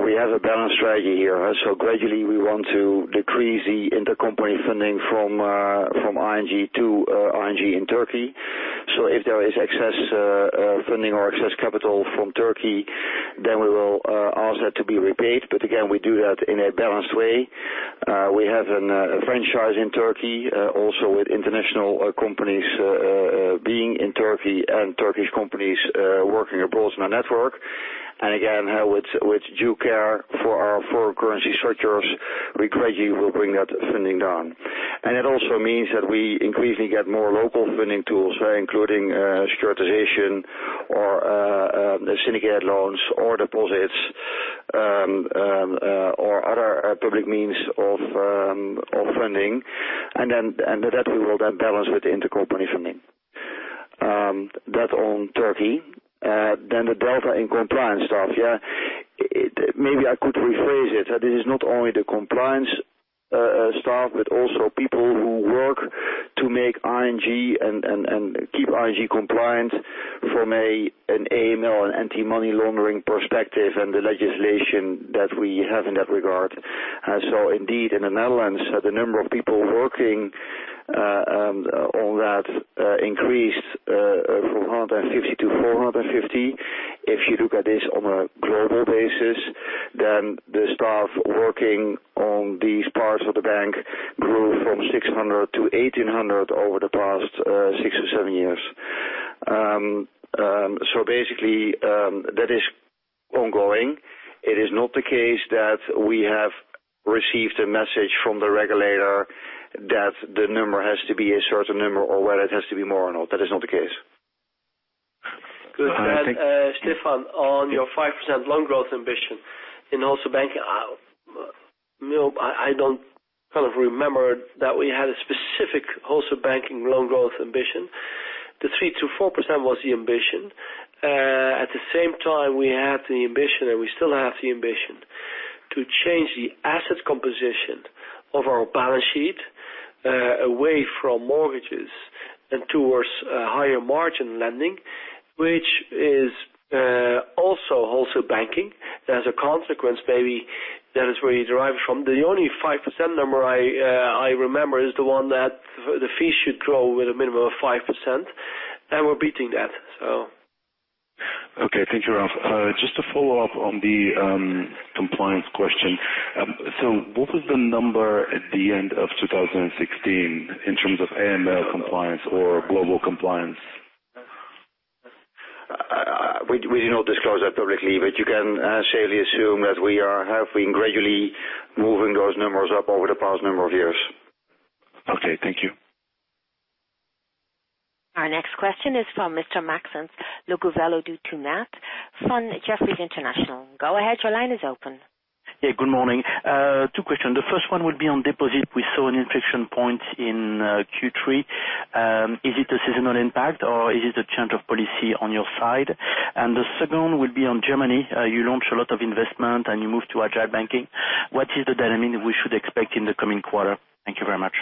We have a balanced strategy here. Gradually, we want to decrease the intercompany funding from ING to ING in Turkey. If there is excess funding or excess capital from Turkey, then we will ask that to be repaid. Again, we do that in a balanced way. We have a franchise in Turkey, also with international companies being in Turkey and Turkish companies working across my network. Again, with due care for our foreign currency structures, we gradually will bring that funding down. It also means that we increasingly get more local funding tools, including securitization or syndicated loans or deposits, or other public means of funding. That we will then balance with intercompany funding. That on Turkey. The delta in compliance staff. Yeah. Maybe I could rephrase it, that it is not only the compliance staff, but also people who work to make ING and keep ING compliant from an AML, an anti-money laundering perspective and the legislation that we have in that regard. Indeed, in the Netherlands, the number of people working on that increased from 150 to 450. If you look at this on a global basis, the staff working on these parts of the bank grew from 600 to 1,800 over the past six or seven years. Basically, that is ongoing. It is not the case that we have received a message from the regulator that the number has to be a certain number or whether it has to be more or not. That is not the case. Good. Stefan, on your 5% loan growth ambition in Wholesale Banking, I don't remember that we had a specific Wholesale Banking loan growth ambition. The 3%-4% was the ambition. At the same time, we had the ambition, and we still have the ambition to change the asset composition of our balance sheet away from mortgages and towards higher margin lending, which is also Wholesale Banking. There is a consequence, maybe that is where you derived from. The only 5% number I remember is the one that the fees should grow with a minimum of 5%, and we're beating that. Okay. Thank you, Ralph. Just to follow up on the compliance question. What was the number at the end of 2016 in terms of AML compliance or global compliance? We do not disclose that publicly, but you can safely assume that we have been gradually moving those numbers up over the past number of years. Okay, thank you. Our next question is from Mr. Maxence Le Gouvello du Timat from Jefferies International. Go ahead, your line is open. Good morning. Two questions. The first one would be on deposit. We saw an inflection point in Q3. Is it a seasonal impact, or is it a change of policy on your side? The second would be on Germany. You launched a lot of investment, and you moved to Agile banking. What is the dynamic we should expect in the coming quarter? Thank you very much.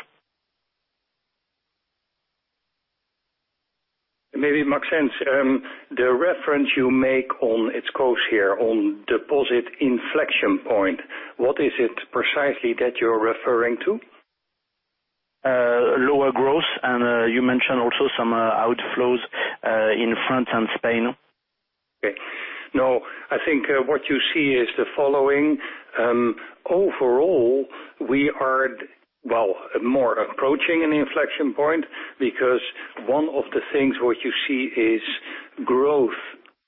Maybe Maxence, the reference you make on its course here on deposit inflection point, what is it precisely that you're referring to? lower growth. You mentioned also some outflows in France and Spain. Okay. I think what you see is the following. Overall, we are more approaching an inflection point, one of the things what you see is growth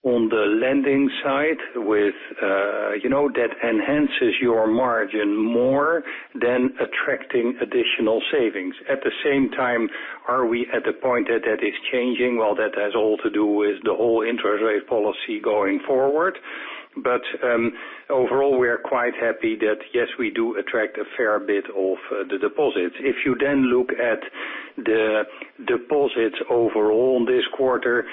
on the lending side that enhances your margin more than attracting additional savings. At the same time, are we at the point that that is changing? Well, that has all to do with the whole interest rate policy going forward. Overall, we are quite happy that, yes, we do attract a fair bit of the deposits. If you look at the deposits overall this quarter,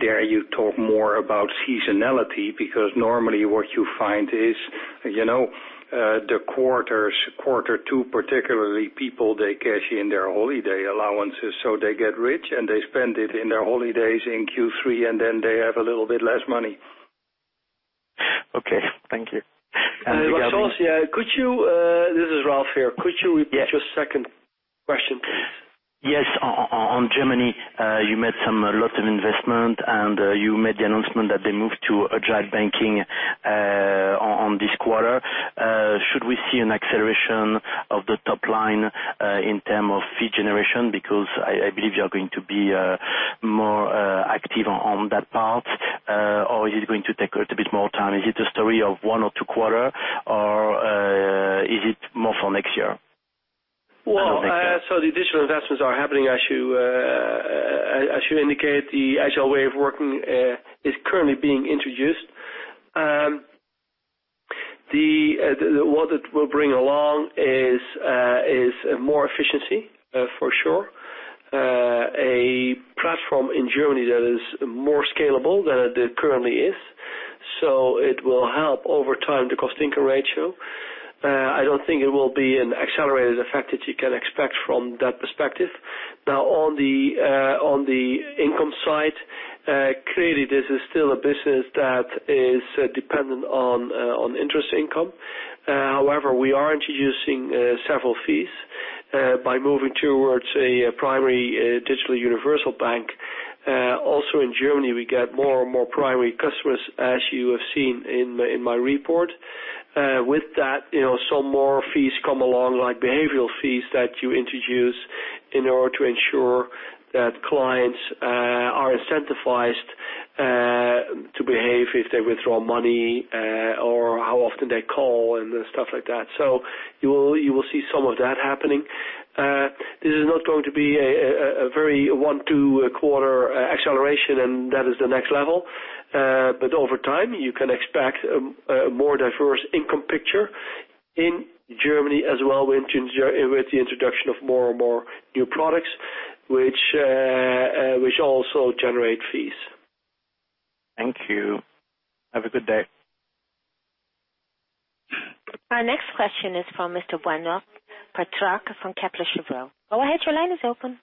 there you talk more about seasonality because normally what you find is, the quarters, quarter 2 particularly, people they cash in their holiday allowances, so they get rich and they spend it in their holidays in Q3 and they have a little bit less money. Okay. Thank you. Maxence, this is Ralph here. Could you repeat your second question, please? Yes. On Germany, you made some lots of investment, and you made the announcement that they moved to Agile banking on this quarter. Should we see an acceleration of the top line in terms of fee generation? Because I believe you're going to be more active on that part. Is it going to take a little bit more time? Is it a story of one or two quarter, or is it more for next year? The additional investments are happening as you indicate. The Agile way of working is currently being introduced. What it will bring along is more efficiency, for sure. A platform in Germany that is more scalable than it currently is. It will help over time the cost-income ratio. I don't think it will be an accelerated effect that you can expect from that perspective. On the income side, clearly this is still a business that is dependent on interest income. However, we are introducing several fees by moving towards a primary digital universal bank. In Germany, we get more and more primary customers as you have seen in my report. With that, some more fees come along, like behavioral fees that you introduce in order to ensure that clients are incentivized to behave if they withdraw money, or how often they call, and stuff like that. You will see some of that happening. This is not going to be a very one, two quarter acceleration, and that is the next level. Over time, you can expect a more diverse income picture in Germany as well with the introduction of more and more new products, which also generate fees. Thank you. Have a good day. Our next question is from Mr. Benoît Pétrarque from Kepler Cheuvreux. Go ahead, your line is open.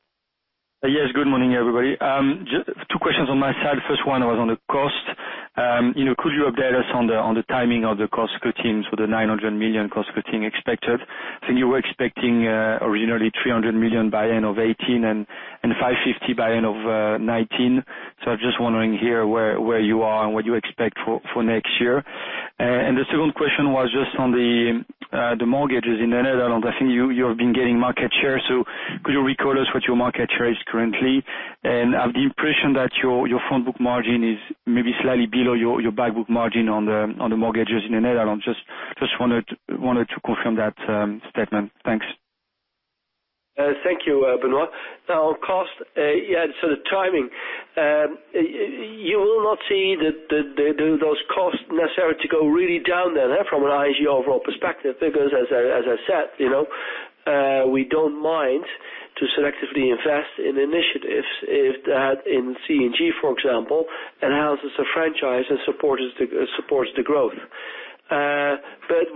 Yes. Good morning, everybody. Two questions on my side. First one was on the cost. Could you update us on the timing of the cost cutting for the 900 million cost cutting expected? I think you were expecting originally 300 million by end of 2018 and 550 million by end of 2019. I'm just wondering here where you are and what you expect for next year. The second question was just on the mortgages in the Netherlands. I think you have been gaining market share, could you recall us what your market share is currently? I have the impression that your front book margin is maybe slightly below your back book margin on the mortgages in the Netherlands. Just wanted to confirm that statement. Thanks. Thank you, Benoit. On cost, the timing. You will not see those costs necessarily to go really down there from an ING overall perspective, because as I said, we don't mind to selectively invest in initiatives if that, in C&G for example, enhances the franchise and supports the growth.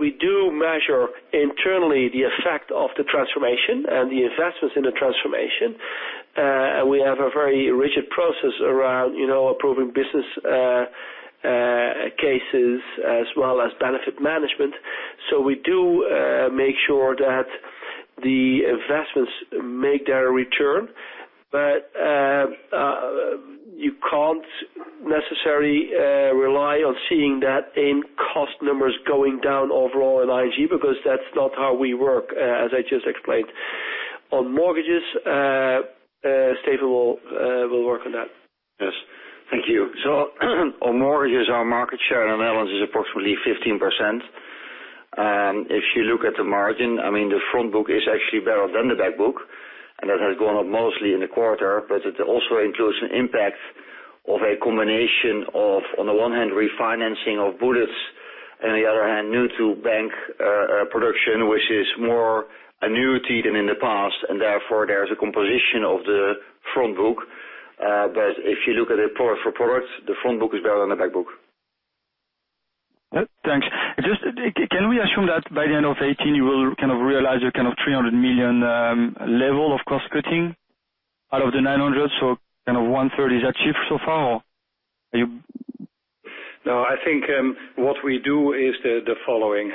We do measure internally the effect of the transformation and the investments in the transformation. We have a very rigid process around approving business cases as well as benefit management. We do make sure that the investments make their return. You can't necessarily rely on seeing that in cost numbers going down overall in ING because that's not how we work, as I just explained. On mortgages, Steven will work on that. Yes. Thank you. On mortgages, our market share in the Netherlands is approximately 15%. If you look at the margin, the front book is actually better than the back book, that has gone up mostly in the quarter, but it also includes an impact of a combination of, on the one hand, refinancing of bullets, the other hand, new to bank production, which is more annuity than in the past, therefore there is a composition of the front book. If you look at it for products, the front book is better than the back book. Thanks. Can we assume that by the end of 2018, you will realize your 300 million level of cost cutting out of the 900 million? One third, is that achieved so far, or are you No, I think what we do is the following.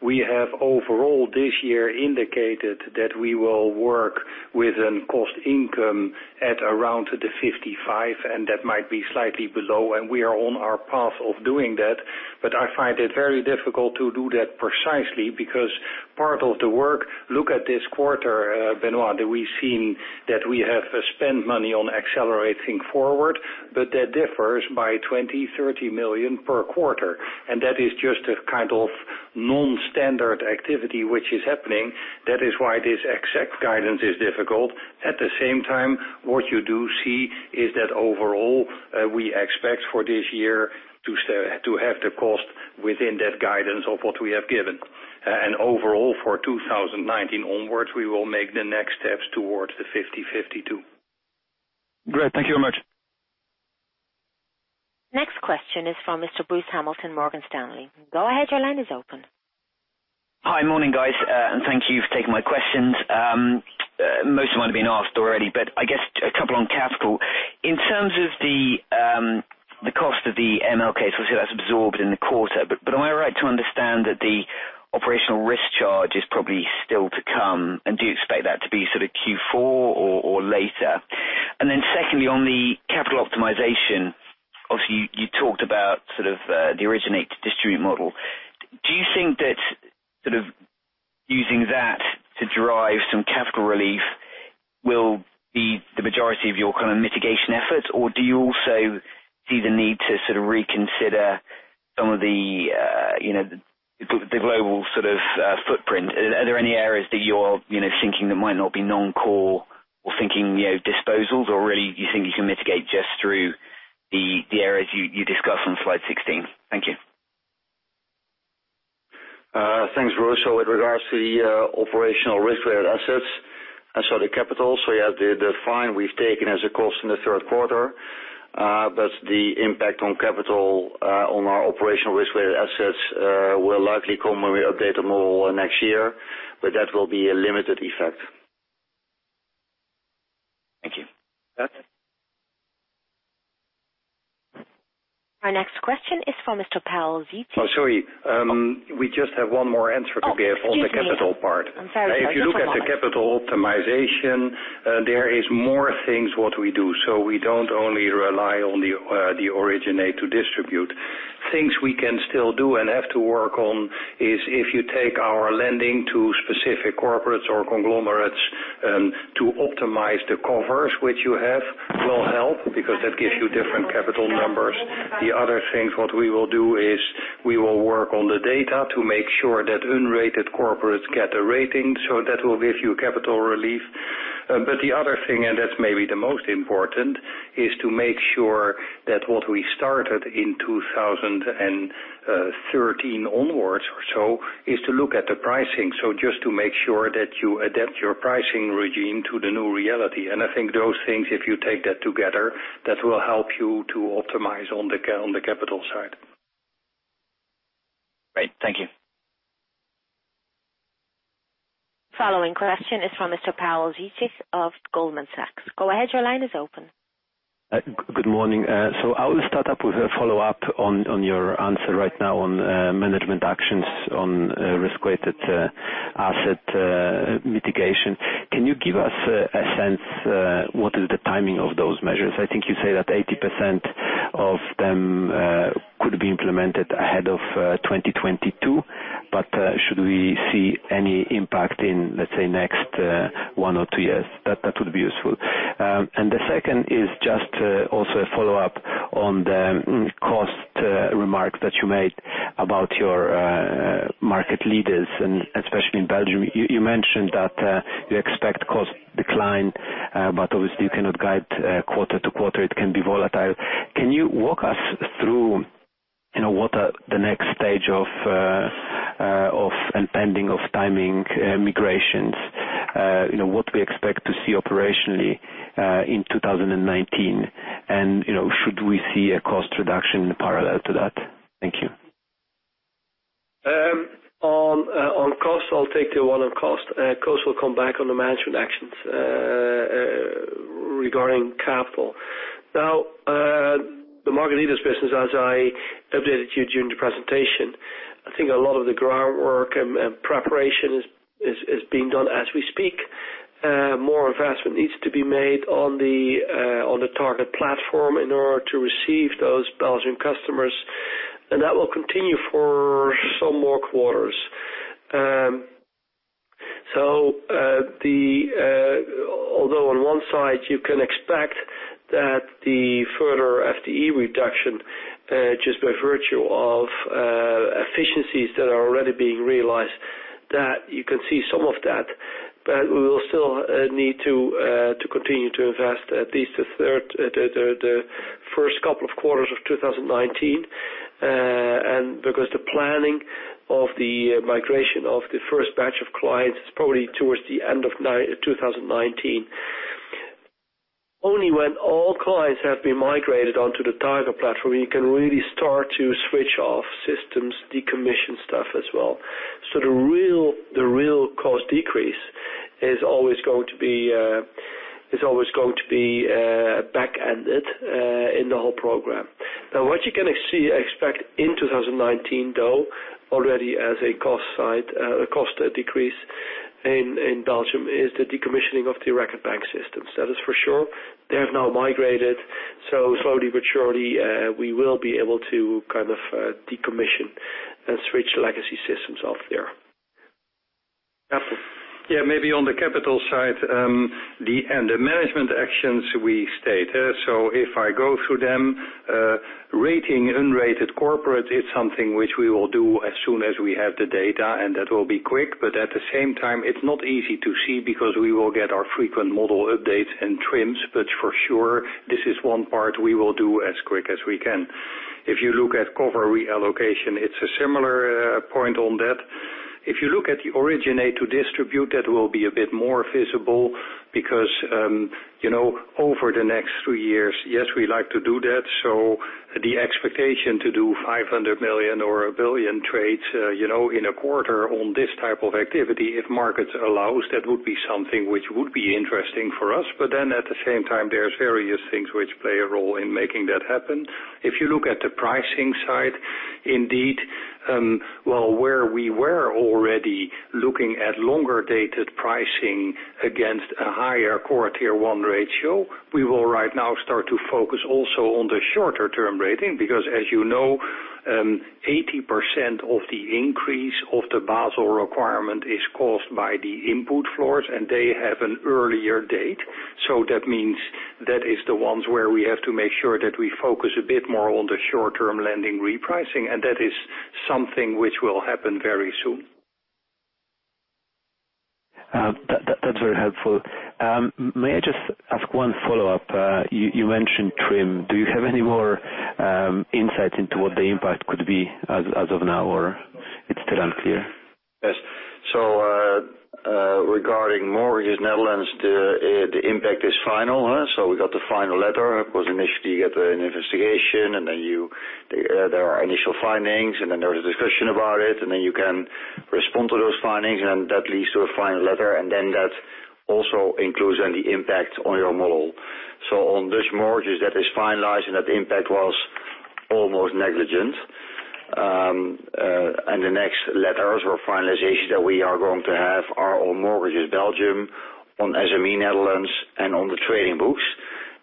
We have overall this year indicated that we will work within cost income at around the 55%, that might be slightly below, and we are on our path of doing that. I find it very difficult to do that precisely because part of the work, look at this quarter, Benoit, that we've seen that we have spent money on Accelerate Think Forward, that differs by 20 million, 30 million per quarter. That is just a kind of non-standard activity which is happening. That is why this exact guidance is difficult. At the same time, what you do see is that overall, we expect for this year to have the cost within that guidance of what we have given. Overall, for 2019 onwards, we will make the next steps towards the 50/50 too. Great. Thank you very much. Next question is from Mr. Bruce Hamilton, Morgan Stanley. Go ahead, your line is open. Hi. Morning, guys. Thank you for taking my questions. Most of them have been asked already. I guess a couple on capital. In terms of the cost of the AML case, we'll see that's absorbed in the quarter. Am I right to understand that the operational risk charge is probably still to come, and do you expect that to be Q4 or later? Secondly, on the capital optimization, obviously, you talked about the originate to distribute model. Do you think that using that to drive some capital relief will be the majority of your mitigation efforts, or do you also see the need to reconsider some of the global footprint? Are there any areas that you're thinking that might not be non-core or thinking disposals or really you think you can mitigate just through the areas you discussed on slide 16? Thank you. Thanks, Bruce. With regards to the operational risk-weighted assets, the capital, the fine we've taken as a cost in the third quarter, the impact on capital on our operational risk-weighted assets will likely come when we update the model next year. That will be a limited effect. Thank you. Yes. Our next question is from Mr. Pawel Dziedzic. Oh, sorry. We just have one more answer to give. Oh, excuse me on the capital part. I'm sorry. Just one moment. If you look at the capital optimization, there is more things what we do. We don't only rely on the originate to distribute. Things we can still do and have to work on is if you take our lending to specific corporates or conglomerates to optimize the covers which you have will help because that gives you different capital numbers. The other things what we will do is we will work on the data to make sure that unrated corporates get a rating, so that will give you capital relief. The other thing, and that's maybe the most important, is to make sure that what we started in 2013 onwards or so, is to look at the pricing. Just to make sure that you adapt your pricing regime to the new reality. I think those things, if you take that together, that will help you to optimize on the capital side. Great. Thank you. Following question is from Mr. Pawel Dziedzic of Goldman Sachs. Go ahead, your line is open. Good morning. I will start up with a follow-up on your answer right now on management actions on risk-weighted asset mitigation. Can you give us a sense what is the timing of those measures? I think you say that 80% of them could be implemented ahead of 2022, should we see any impact in, let's say, next one or two years? That would be useful. The second is just also a follow-up on the cost remarks that you made about your market leaders, especially in Belgium. You mentioned that you expect cost decline, obviously you cannot guide quarter to quarter. It can be volatile. Can you walk us through what are the next stage of intending of timing migrations, what we expect to see operationally in 2019, and should we see a cost reduction parallel to that? Thank you. On cost, I'll take the one on cost. Cost will come back on the management actions regarding capital. The market leaders business, as I updated you during the presentation, I think a lot of the groundwork and preparation is being done as we speak. More investment needs to be made on the target platform in order to receive those Belgian customers, that will continue for some more quarters. Although on one side, you can expect that the further FTE reduction, just by virtue of efficiencies that are already being realized, that you can see some of that, we will still need to continue to invest at least the first couple of quarters of 2019. Because the planning of the migration of the first batch of clients is probably towards the end of 2019. Only when all clients have been migrated onto the target platform, we can really start to switch off systems, decommission stuff as well. The real cost decrease Is always going to be backended in the whole program. What you're going to expect in 2019, though, already as a cost decrease in Belgium, is the decommissioning of the Record Bank systems. That is for sure. They have now migrated, slowly but surely, we will be able to decommission and switch legacy systems off there. Maybe on the capital side, the management actions we stated. If I go through them, rating unrated corporate is something which we will do as soon as we have the data, and that will be quick. At the same time, it's not easy to see because we will get our frequent model updates and TRIMs, but for sure, this is one part we will do as quick as we can. If you look at cover reallocation, it's a similar point on that. If you look at the originate to distribute, that will be a bit more feasible because over the next three years, yes, we like to do that. The expectation to do 500 million or 1 billion trades in a quarter on this type of activity, if markets allows, that would be something which would be interesting for us. At the same time, there's various things which play a role in making that happen. If you look at the pricing side, indeed, where we were already looking at longer dated pricing against a higher Core Tier 1 ratio, we will right now start to focus also on the shorter term rating, because as you know, 80% of the increase of the Basel requirement is caused by the input floors, and they have an earlier date. That means that is the ones where we have to make sure that we focus a bit more on the short-term lending repricing, that is something which will happen very soon. That's very helpful. May I just ask one follow-up? You mentioned TRIM. Do you have any more insight into what the impact could be as of now, or it's still unclear? Yes. Regarding mortgages Netherlands, the impact is final. We got the final letter. Because initially, you get an investigation, and then there are initial findings, and then there is a discussion about it, and then you can respond to those findings, and that leads to a final letter, and then that also includes the impact on your model. On Dutch mortgages, that is finalized, and that impact was almost negligent. The next letters or finalization that we are going to have are on mortgages Belgium, on SME Netherlands, and on the trading books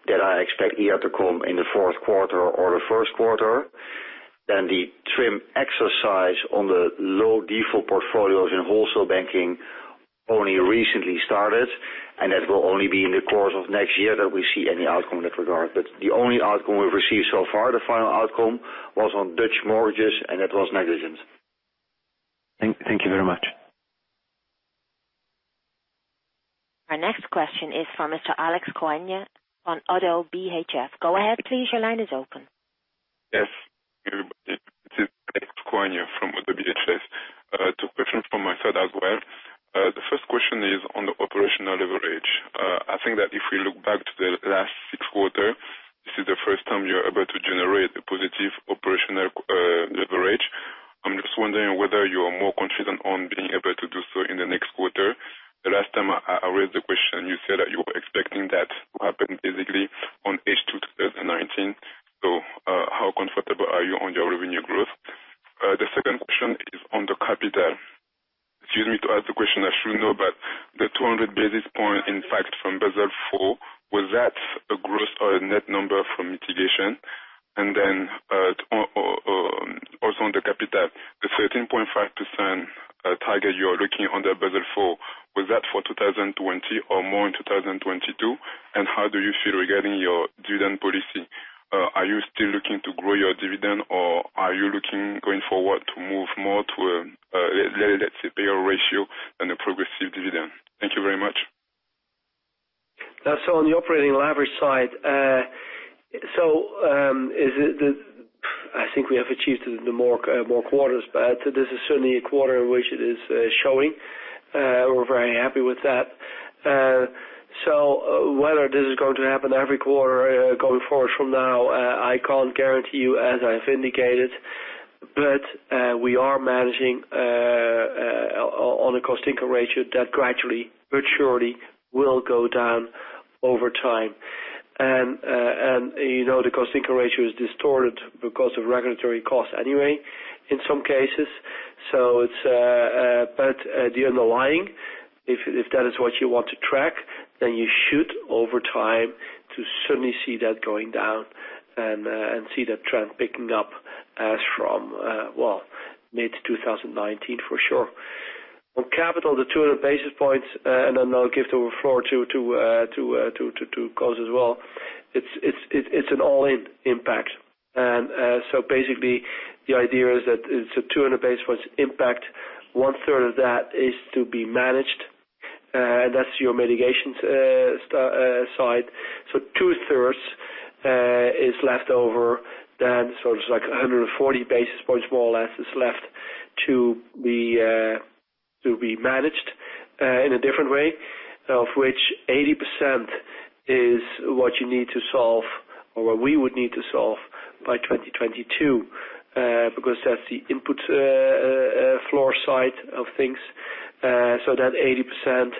that I expect either to come in the fourth quarter or the first quarter. The TRIM exercise on the low default portfolios in wholesale banking only recently started, and that will only be in the course of next year that we see any outcome in that regard. The only outcome we've received so far, the final outcome, was on Dutch mortgages, and that was negligent. Thank you very much. Our next question is from Mr. Alex Koenne on Oddo BHF. Go ahead, please. Your line is open. Yes. This is Alex Koenne from Oddo BHF. Two questions from my side as well. The first question is on the operational leverage. I think that if we look back to the last six quarter, this is the first time you're able to generate a positive operational leverage. I'm just wondering whether you are more confident on being able to do so in the next quarter. The last time I raised the question, you said that you were expecting that to happen basically on H2 2019. How comfortable are you on your revenue growth? The second question is on the capital. Excuse me to ask the question, I should know, the 200 basis point impact from Basel IV, was that a gross or a net number from mitigation? Also on the capital, the 13.5% target you're looking under Basel IV, was that for 2020 or more in 2022? How do you feel regarding your dividend policy? Are you still looking to grow your dividend, or are you looking, going forward, to move more to a, let's say, payout ratio and a progressive dividend? Thank you very much. On the operating leverage side, I think we have achieved more quarters, but this is certainly a quarter in which it is showing. We're very happy with that. Whether this is going to happen every quarter going forward from now, I can't guarantee you, as I've indicated. We are managing on a cost income ratio that gradually, but surely, will go down over time. The cost income ratio is distorted because of regulatory costs anyway, in some cases. The underlying, if that is what you want to track, then you should, over time, certainly see that going down and see that trend picking up as from mid 2019, for sure. On capital, the 200 basis points, then I'll give the floor to Koos as well. It's an all-in impact. Basically, the idea is that it's a 200 basis points impact. One third of that is to be managed. That's your mitigation side. Two thirds is left over then, so it's like 140 basis points, more or less, is left to be managed in a different way, of which 80% is what you need to solve, or what we would need to solve by 2022, because that's the input floor side of things. That 80%,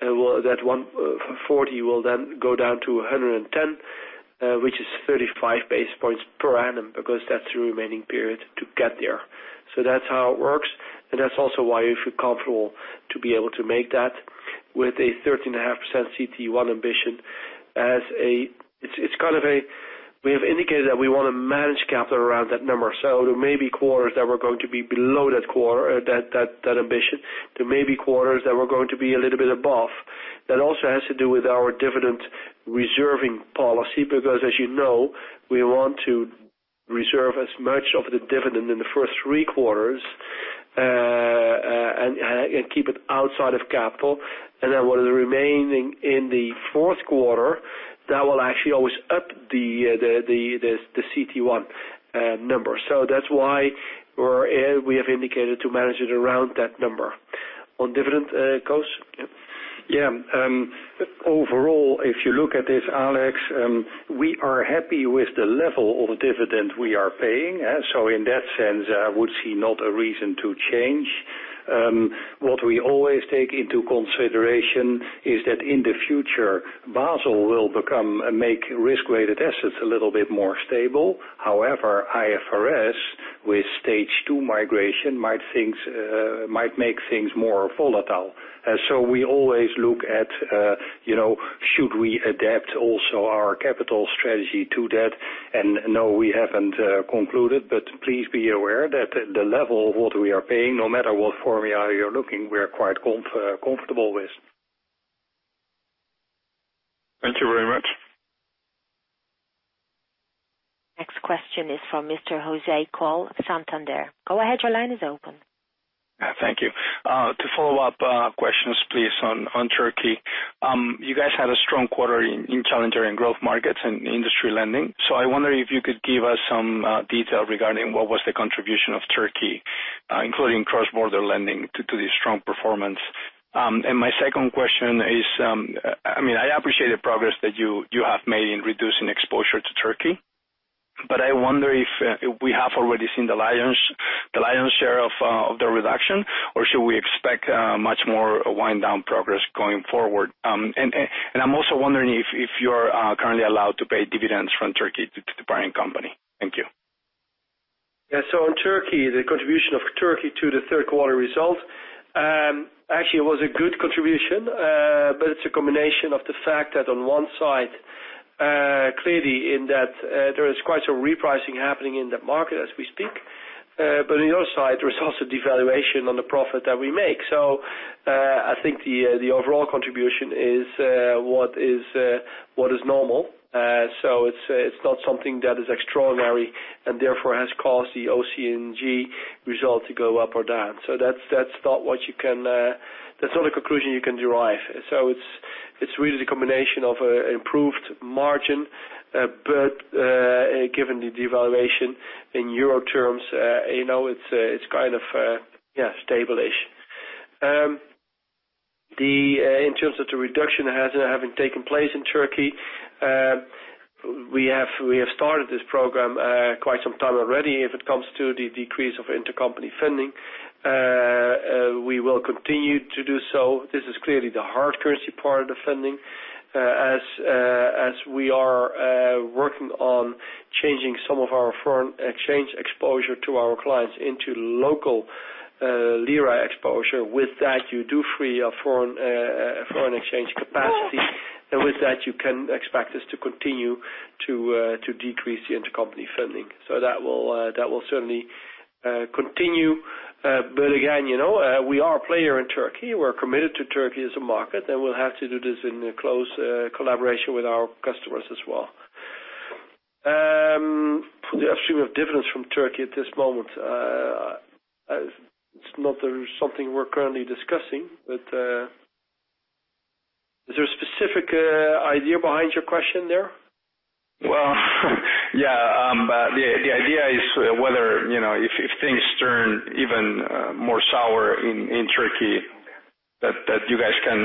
that 140 will then go down to 110, which is 35 basis points per annum, because that's the remaining period to get there. That's how it works, and that's also why we feel comfortable to be able to make that with a 13.5% CET1 ambition. We have indicated that we want to manage capital around that number. There may be quarters that we're going to be below that ambition. There may be quarters that we're going to be a little bit above. That also has to do with our dividend reserving policy, because as you know, we want to reserve as much of the dividend in the first three quarters, and keep it outside of capital. What is remaining in the fourth quarter, that will actually always up the CET1 number. That's why we have indicated to manage it around that number. On dividend, Koos? Yeah. Overall, if you look at this, Alex, we are happy with the level of dividend we are paying. In that sense, I would see not a reason to change. What we always take into consideration is that in the future, Basel will make risk-weighted assets a little bit more stable. However, IFRS, with Stage 2 migration, might make things more volatile. We always look at should we adapt also our capital strategy to that, and no, we haven't concluded, but please be aware that the level of what we are paying, no matter what formula you're looking, we're quite comfortable with. Thank you very much. Next question is from Mr. José Coll at Santander. Go ahead, your line is open. Thank you. To follow up questions, please, on Turkey. You guys had a strong quarter in Challenger and Growth markets and industry lending. I wonder if you could give us some detail regarding what was the contribution of Turkey, including cross-border lending to this strong performance. My second question is, I appreciate the progress that you have made in reducing exposure to Turkey. I wonder if we have already seen the lion's share of the reduction, or should we expect much more wind down progress going forward? I'm also wondering if you're currently allowed to pay dividends from Turkey to the parent company. Thank you. On Turkey, the contribution of Turkey to the third quarter result. It was a good contribution, but it's a combination of the fact that on one side, clearly in that there is quite a repricing happening in that market as we speak. On the other side, there is also devaluation on the profit that we make. I think the overall contribution is what is normal. It's not something that is extraordinary and therefore has caused the C&G result to go up or down. That's not a conclusion you can derive. It's really the combination of improved margin, but given the devaluation in EUR terms, it's kind of stable-ish. In terms of the reduction having taken place in Turkey, we have started this program quite some time already if it comes to the decrease of intercompany funding. We will continue to do so. This is clearly the hard currency part of the funding, as we are working on changing some of our foreign exchange exposure to our clients into local lira exposure. With that, you do free foreign exchange capacity, and with that, you can expect us to continue to decrease the intercompany funding. That will certainly continue. Again, we are a player in Turkey. We're committed to Turkey as a market, and we'll have to do this in close collaboration with our customers as well. For the upstream of dividends from Turkey at this moment, it's not something we're currently discussing, but is there a specific idea behind your question there? Yeah. The idea is whether, if things turn even more sour in Turkey, that you guys can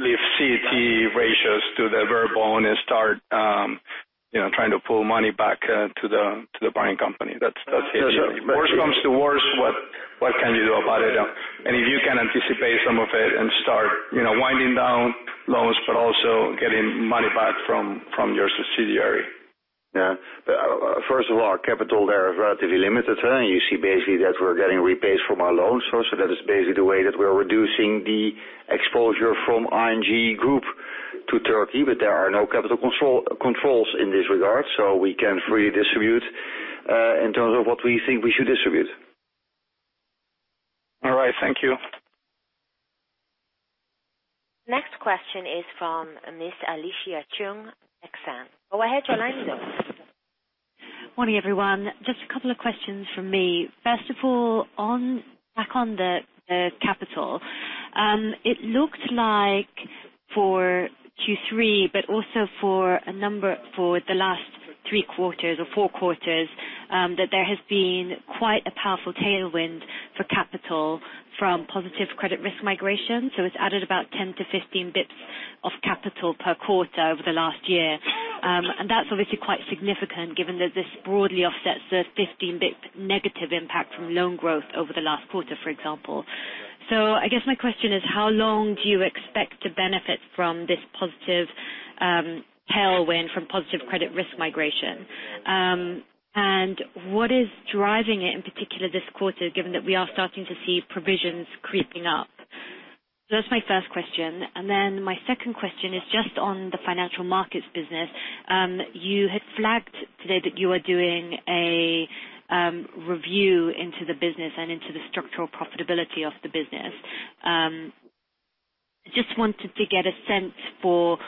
leave CET ratios to the bare bone and start trying to pull money back to the parent company. That's the idea. Yeah, sure. Worse comes to worse, what can you do about it? If you can anticipate some of it and start winding down loans, but also getting money back from your subsidiary. Yeah. First of all, our capital there is relatively limited. You see basically that we're getting repaid from our loans. That is basically the way that we're reducing the exposure from ING Group to Turkey, but there are no capital controls in this regard, so we can freely distribute in terms of what we think we should distribute. All right. Thank you. Next question is from Miss Alicia Chung, Exane. Go ahead, your line is open. Morning, everyone. Just a couple of questions from me. First of all, back on the capital. It looked like for Q3, but also for the last three quarters or four quarters, that there has been quite a powerful tailwind for capital from positive credit risk migration. It's added about 10 to 15 basis points of capital per quarter over the last year. That's obviously quite significant given that this broadly offsets the 15 basis point negative impact from loan growth over the last quarter, for example. I guess my question is, how long do you expect to benefit from this positive tailwind from positive credit risk migration? What is driving it in particular this quarter, given that we are starting to see provisions creeping up? That's my first question. My second question is just on the financial markets business. You had flagged today that you are doing a review into the business and into the structural profitability of the business. Just wanted to get a sense for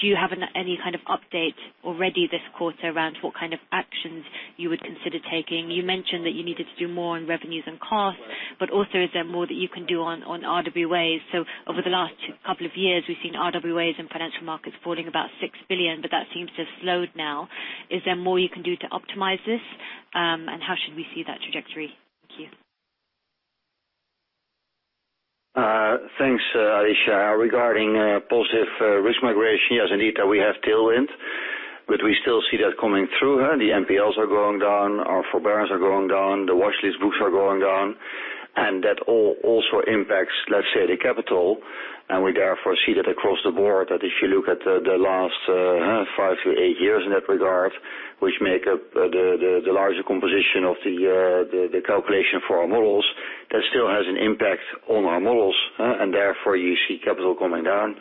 do you have any kind of update already this quarter around what kind of actions you would consider taking? You mentioned that you needed to do more on revenues and costs, but also is there more that you can do on RWAs? Over the last couple of years, we've seen RWAs and financial markets falling about 6 billion, but that seems to have slowed now. Is there more you can do to optimize this? How should we see that trajectory? Thank you. Thanks, Alicia. Regarding positive risk migration, yes, indeed, we have tailwind, but we still see that coming through. The NPLs are going down, our forbearance are going down, the watchlist books are going down. That all also impacts, let's say, the capital. We therefore see that across the board, that if you look at the last five to eight years in that regard, which make up the larger composition of the calculation for our models, that still has an impact on our models. Therefore you see capital coming down.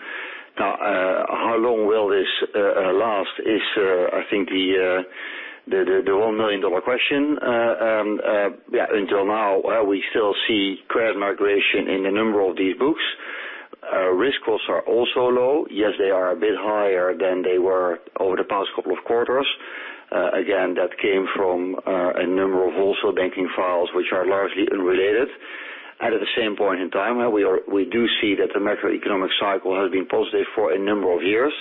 How long will this last is, I think, the whole million-dollar question. Until now, we still see credit migration in a number of these books. Risk costs are also low. Yes, they are a bit higher than they were over the past couple of quarters. Again, that came from a number of wholesale banking files, which are largely unrelated. At the same point in time, we do see that the macroeconomic cycle has been positive for a number of years.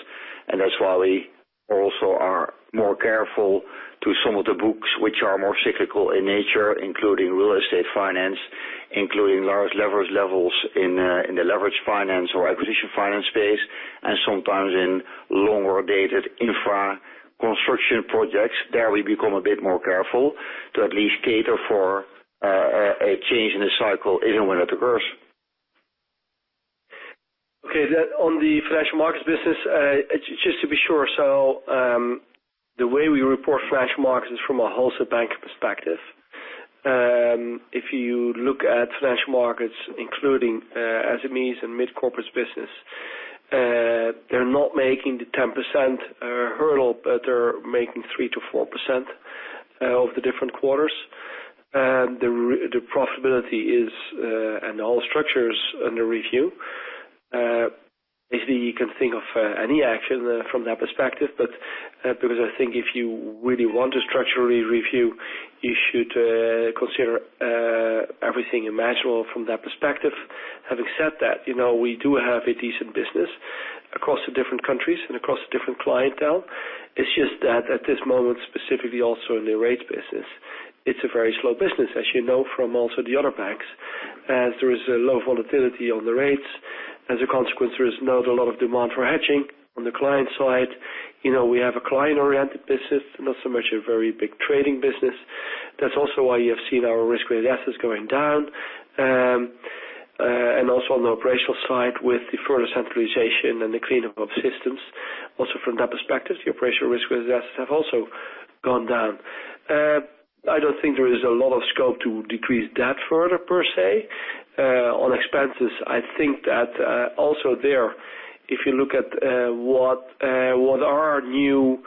That's why we also are more careful to some of the books which are more cyclical in nature, including real estate finance, including large leverage levels in the leverage finance or acquisition finance space. Sometimes in longer-dated infra construction projects, there we become a bit more careful to at least cater for a change in the cycle, if and when that occurs. Okay. On the financial markets business, just to be sure, the way we report financial markets is from a wholesale bank perspective. If you look at financial markets, including SMEs and mid-corporate business, they're not making the 10% hurdle, but they're making 3%-4% of the different quarters. The profitability is, and the whole structure is under review. Basically, you can think of any action from that perspective. Because I think if you really want a structural review, you should consider everything imaginable from that perspective. Having said that, we do have a decent business across the different countries and across the different clientele. It's just that at this moment, specifically also in the rates business, it's a very slow business, as you know from also the other banks, as there is a low volatility on the rates. As a consequence, there is not a lot of demand for hedging on the client side. We have a client-oriented business, not so much a very big trading business. That's also why you have seen our risk-weighted assets going down. Also on the operational side with the further centralization and the cleanup of systems. Also from that perspective, the operational risk-weighted assets have also gone down. I don't think there is a lot of scope to decrease that further per se. On expenses, I think that also there, if you look at what are our new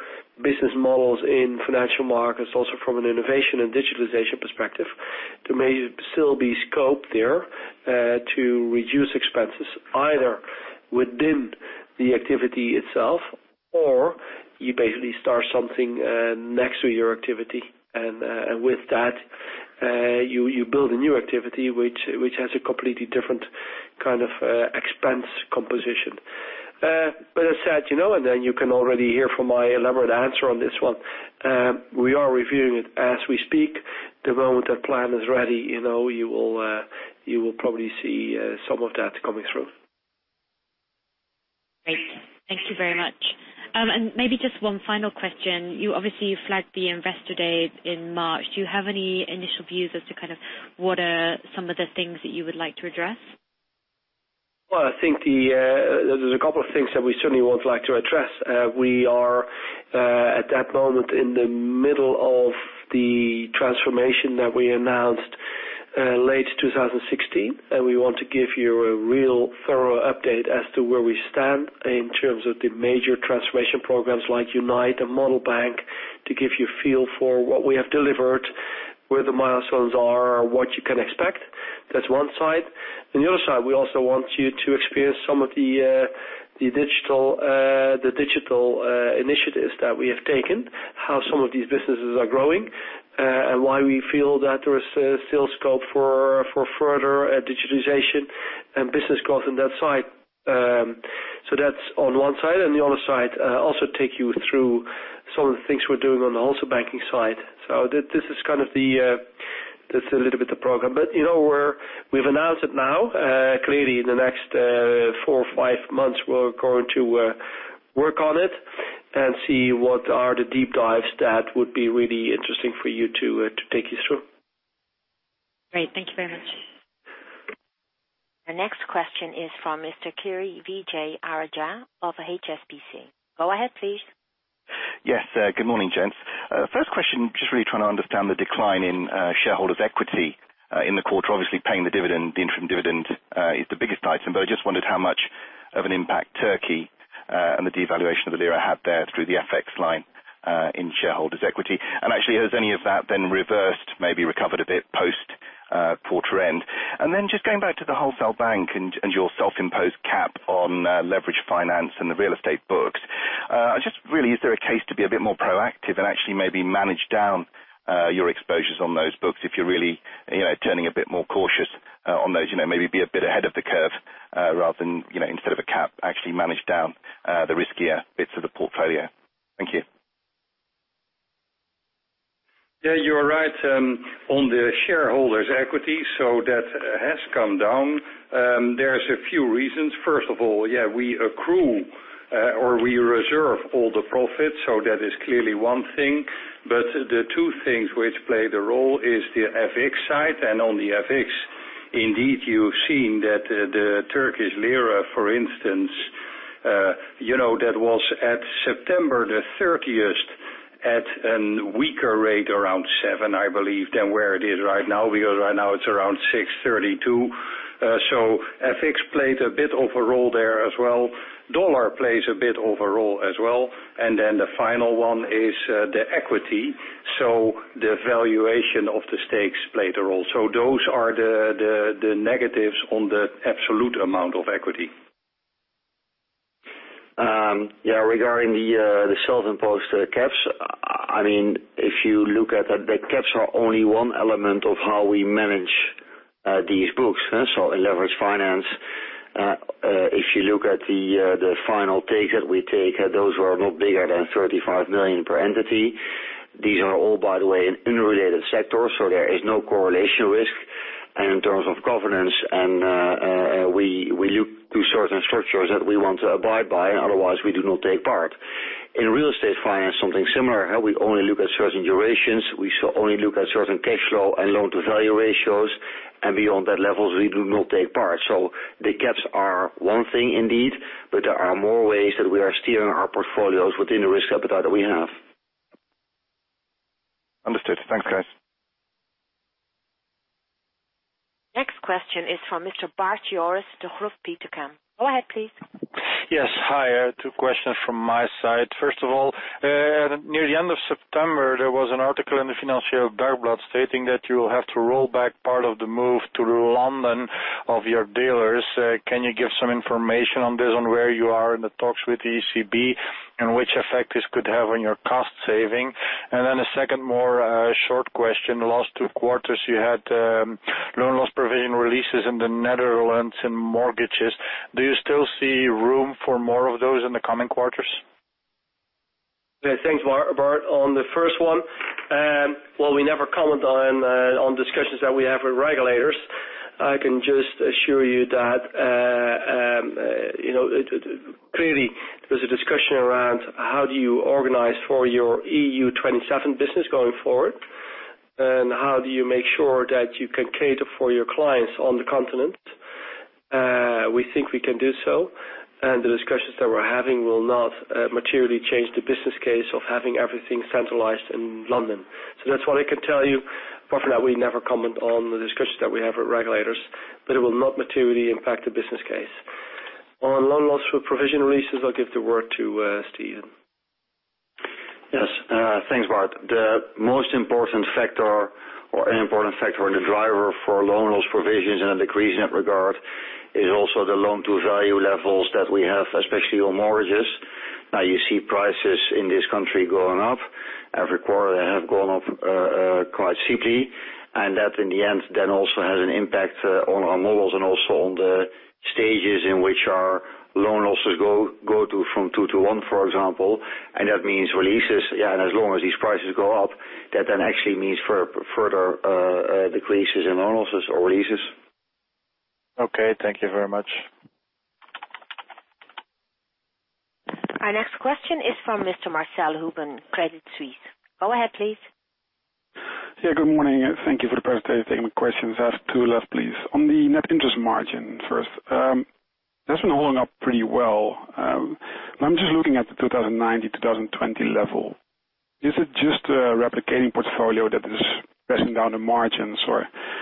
business models in financial markets, also from an innovation and digitalization perspective, there may still be scope there to reduce expenses, either within the activity itself or you basically start something next to your activity. With that, you build a new activity which has a completely different kind of expense composition. As I said, then you can already hear from my elaborate answer on this one, we are reviewing it as we speak. The moment that plan is ready, you will probably see some of that coming through. Great. Thank you very much. Maybe just one final question. You obviously flagged the Investor Day in March. Do you have any initial views as to what are some of the things that you would like to address? Well, I think there's a couple of things that we certainly would like to address. We are at that moment in the middle of the transformation that we announced late 2016. We want to give you a real thorough update as to where we stand in terms of the major transformation programs like Unite and Model Bank to give you a feel for what we have delivered, where the milestones are, what you can expect. That's one side. On the other side, we also want you to experience some of the digital initiatives that we have taken, how some of these businesses are growing. Why we feel that there is still scope for further digitization and business growth on that side. That's on one side. On the other side, also take you through some of the things we're doing on the wholesale banking side. This a little bit the program. We've announced it now. Clearly, in the next four or five months, we're going to work on it and see what are the deep dives that would be really interesting for you to take you through. Great. Thank you very much. The next question is from Mr. Kirishanthan Vijayarajah of HSBC. Go ahead, please. Yes. Good morning, gents. First question, just really trying to understand the decline in shareholders' equity in the quarter. Obviously paying the dividend, the interim dividend, is the biggest item. I just wondered how much of an impact Turkey, and the devaluation of the lira had there through the FX line, in shareholders' equity. Actually, has any of that then reversed, maybe recovered a bit post quarter end? Then just going back to the wholesale bank and your self-imposed cap on leverage finance and the real estate books. Just really, is there a case to be a bit more proactive and actually maybe manage down your exposures on those books if you're really turning a bit more cautious on those, maybe be a bit ahead of the curve, rather than, instead of a cap, actually manage down the riskier bits of the portfolio. Thank you. Yeah, you're right. On the shareholders' equity, that has come down. There are a few reasons. First of all, we accrue or we reserve all the profits, that is clearly one thing. The two things which play the role is the FX side. On the FX, indeed, you've seen that the Turkish lira, for instance, that was at September the 30th at a weaker rate around 7, I believe, than where it is right now, because right now it's around 6.32. FX played a bit of a role there as well. Dollar plays a bit of a role as well. The final one is the equity. The valuation of the stakes played a role. Those are the negatives on the absolute amount of equity. Yeah. Regarding the self-imposed caps, the caps are only one element of how we manage these books. In leverage finance, if you look at the final take that we take, those were not bigger than 35 million per entity. These are all, by the way, in unrelated sectors. There is no correlation risk. In terms of governance, we look to certain structures that we want to abide by, otherwise we do not take part. In real estate finance, something similar. We only look at certain durations, we only look at certain cash flow and loan-to-value ratios. Beyond that levels, we do not take part. The caps are one thing indeed. There are more ways that we are steering our portfolios within the risk appetite that we have. Understood. Thanks, guys. Next question is from Mr. Bart Jooris, Degroof Petercam. Go ahead, please. Yes. Hi. Two questions from my side. First of all, near the end of September, there was an article in Het Financieele Dagblad stating that you will have to roll back part of the move to London of your dealers. Can you give some information on this, on where you are in the talks with the ECB and which effect this could have on your cost saving? A second more short question. Last two quarters, you had loan loss provision releases in the Netherlands in mortgages. Do you still see room for more of those in the coming quarters? Yeah, thanks, Bart. On the first one, while we never comment on discussions that we have with regulators, I can just assure you that clearly there's a discussion around how do you organize for your EU 27 business going forward, how do you make sure that you can cater for your clients on the continent. We think we can do so, the discussions that we're having will not materially change the business case of having everything centralized in London. That's what I can tell you. Apart from that, we never comment on the discussions that we have with regulators, it will not materially impact the business case. On loan loss for provision releases, I'll give the word to Steven. Yes. Thanks, Bart. The most important factor or an important factor in the driver for loan loss provisions and a decrease in that regard is also the loan-to-value levels that we have, especially on mortgages. You see prices in this country going up. Every quarter they have gone up quite steeply, that in the end also has an impact on our models and also on the stages in which our loan losses go to from stage 2 to stage 1, for example, that means releases. As long as these prices go up, that actually means further decreases in loan losses or releases. Okay. Thank you very much. Our next question is from Mr. Marcell Huben, Credit Suisse. Go ahead, please. Good morning, thank you for the presentation. Questions. I have two left, please. On the Net Interest Margin first. That's been holding up pretty well. I'm just looking at the 2019, 2020 level. Is it just a replicating portfolio that is pressing down the margins?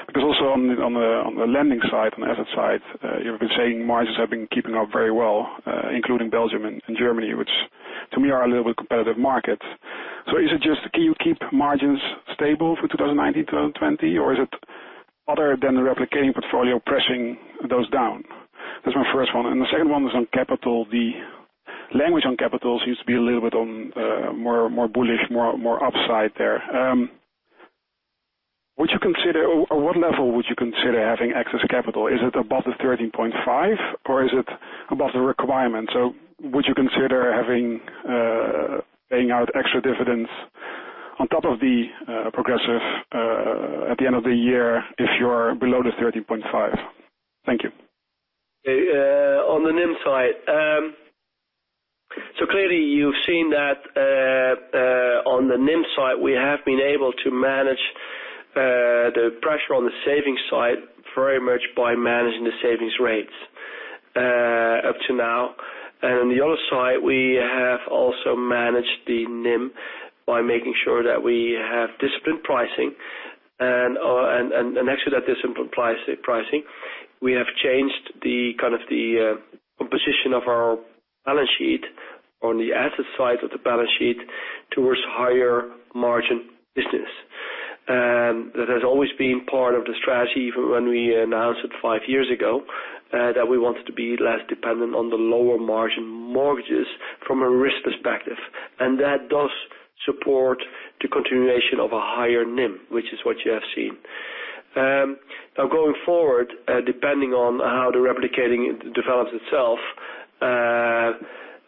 Because also on the lending side, on the asset side, you've been saying margins have been keeping up very well, including Belgium and Germany, which to me are a little bit competitive markets. Is it just can you keep margins stable for 2019, 2020, or is it other than the replicating portfolio pressing those down. That's my first one, and the second one is on capital. The language on capital seems to be a little bit more bullish, more upside there. At what level would you consider having excess capital? Is it above the 13.5% or is it above the requirement? Would you consider paying out extra dividends on top of the progressive at the end of the year if you're below the 13.5%? Thank you. On the NIM side. Clearly you've seen that on the NIM side, we have been able to manage the pressure on the savings side very much by managing the savings rates up to now. On the other side, we have also managed the NIM by making sure that we have disciplined pricing, and actually that disciplined pricing, we have changed the composition of our balance sheet on the asset side of the balance sheet towards higher margin business. That has always been part of the strategy even when we announced it five years ago, that we wanted to be less dependent on the lower margin mortgages from a risk perspective. That does support the continuation of a higher NIM, which is what you have seen. Now going forward, depending on how the replicating develops itself,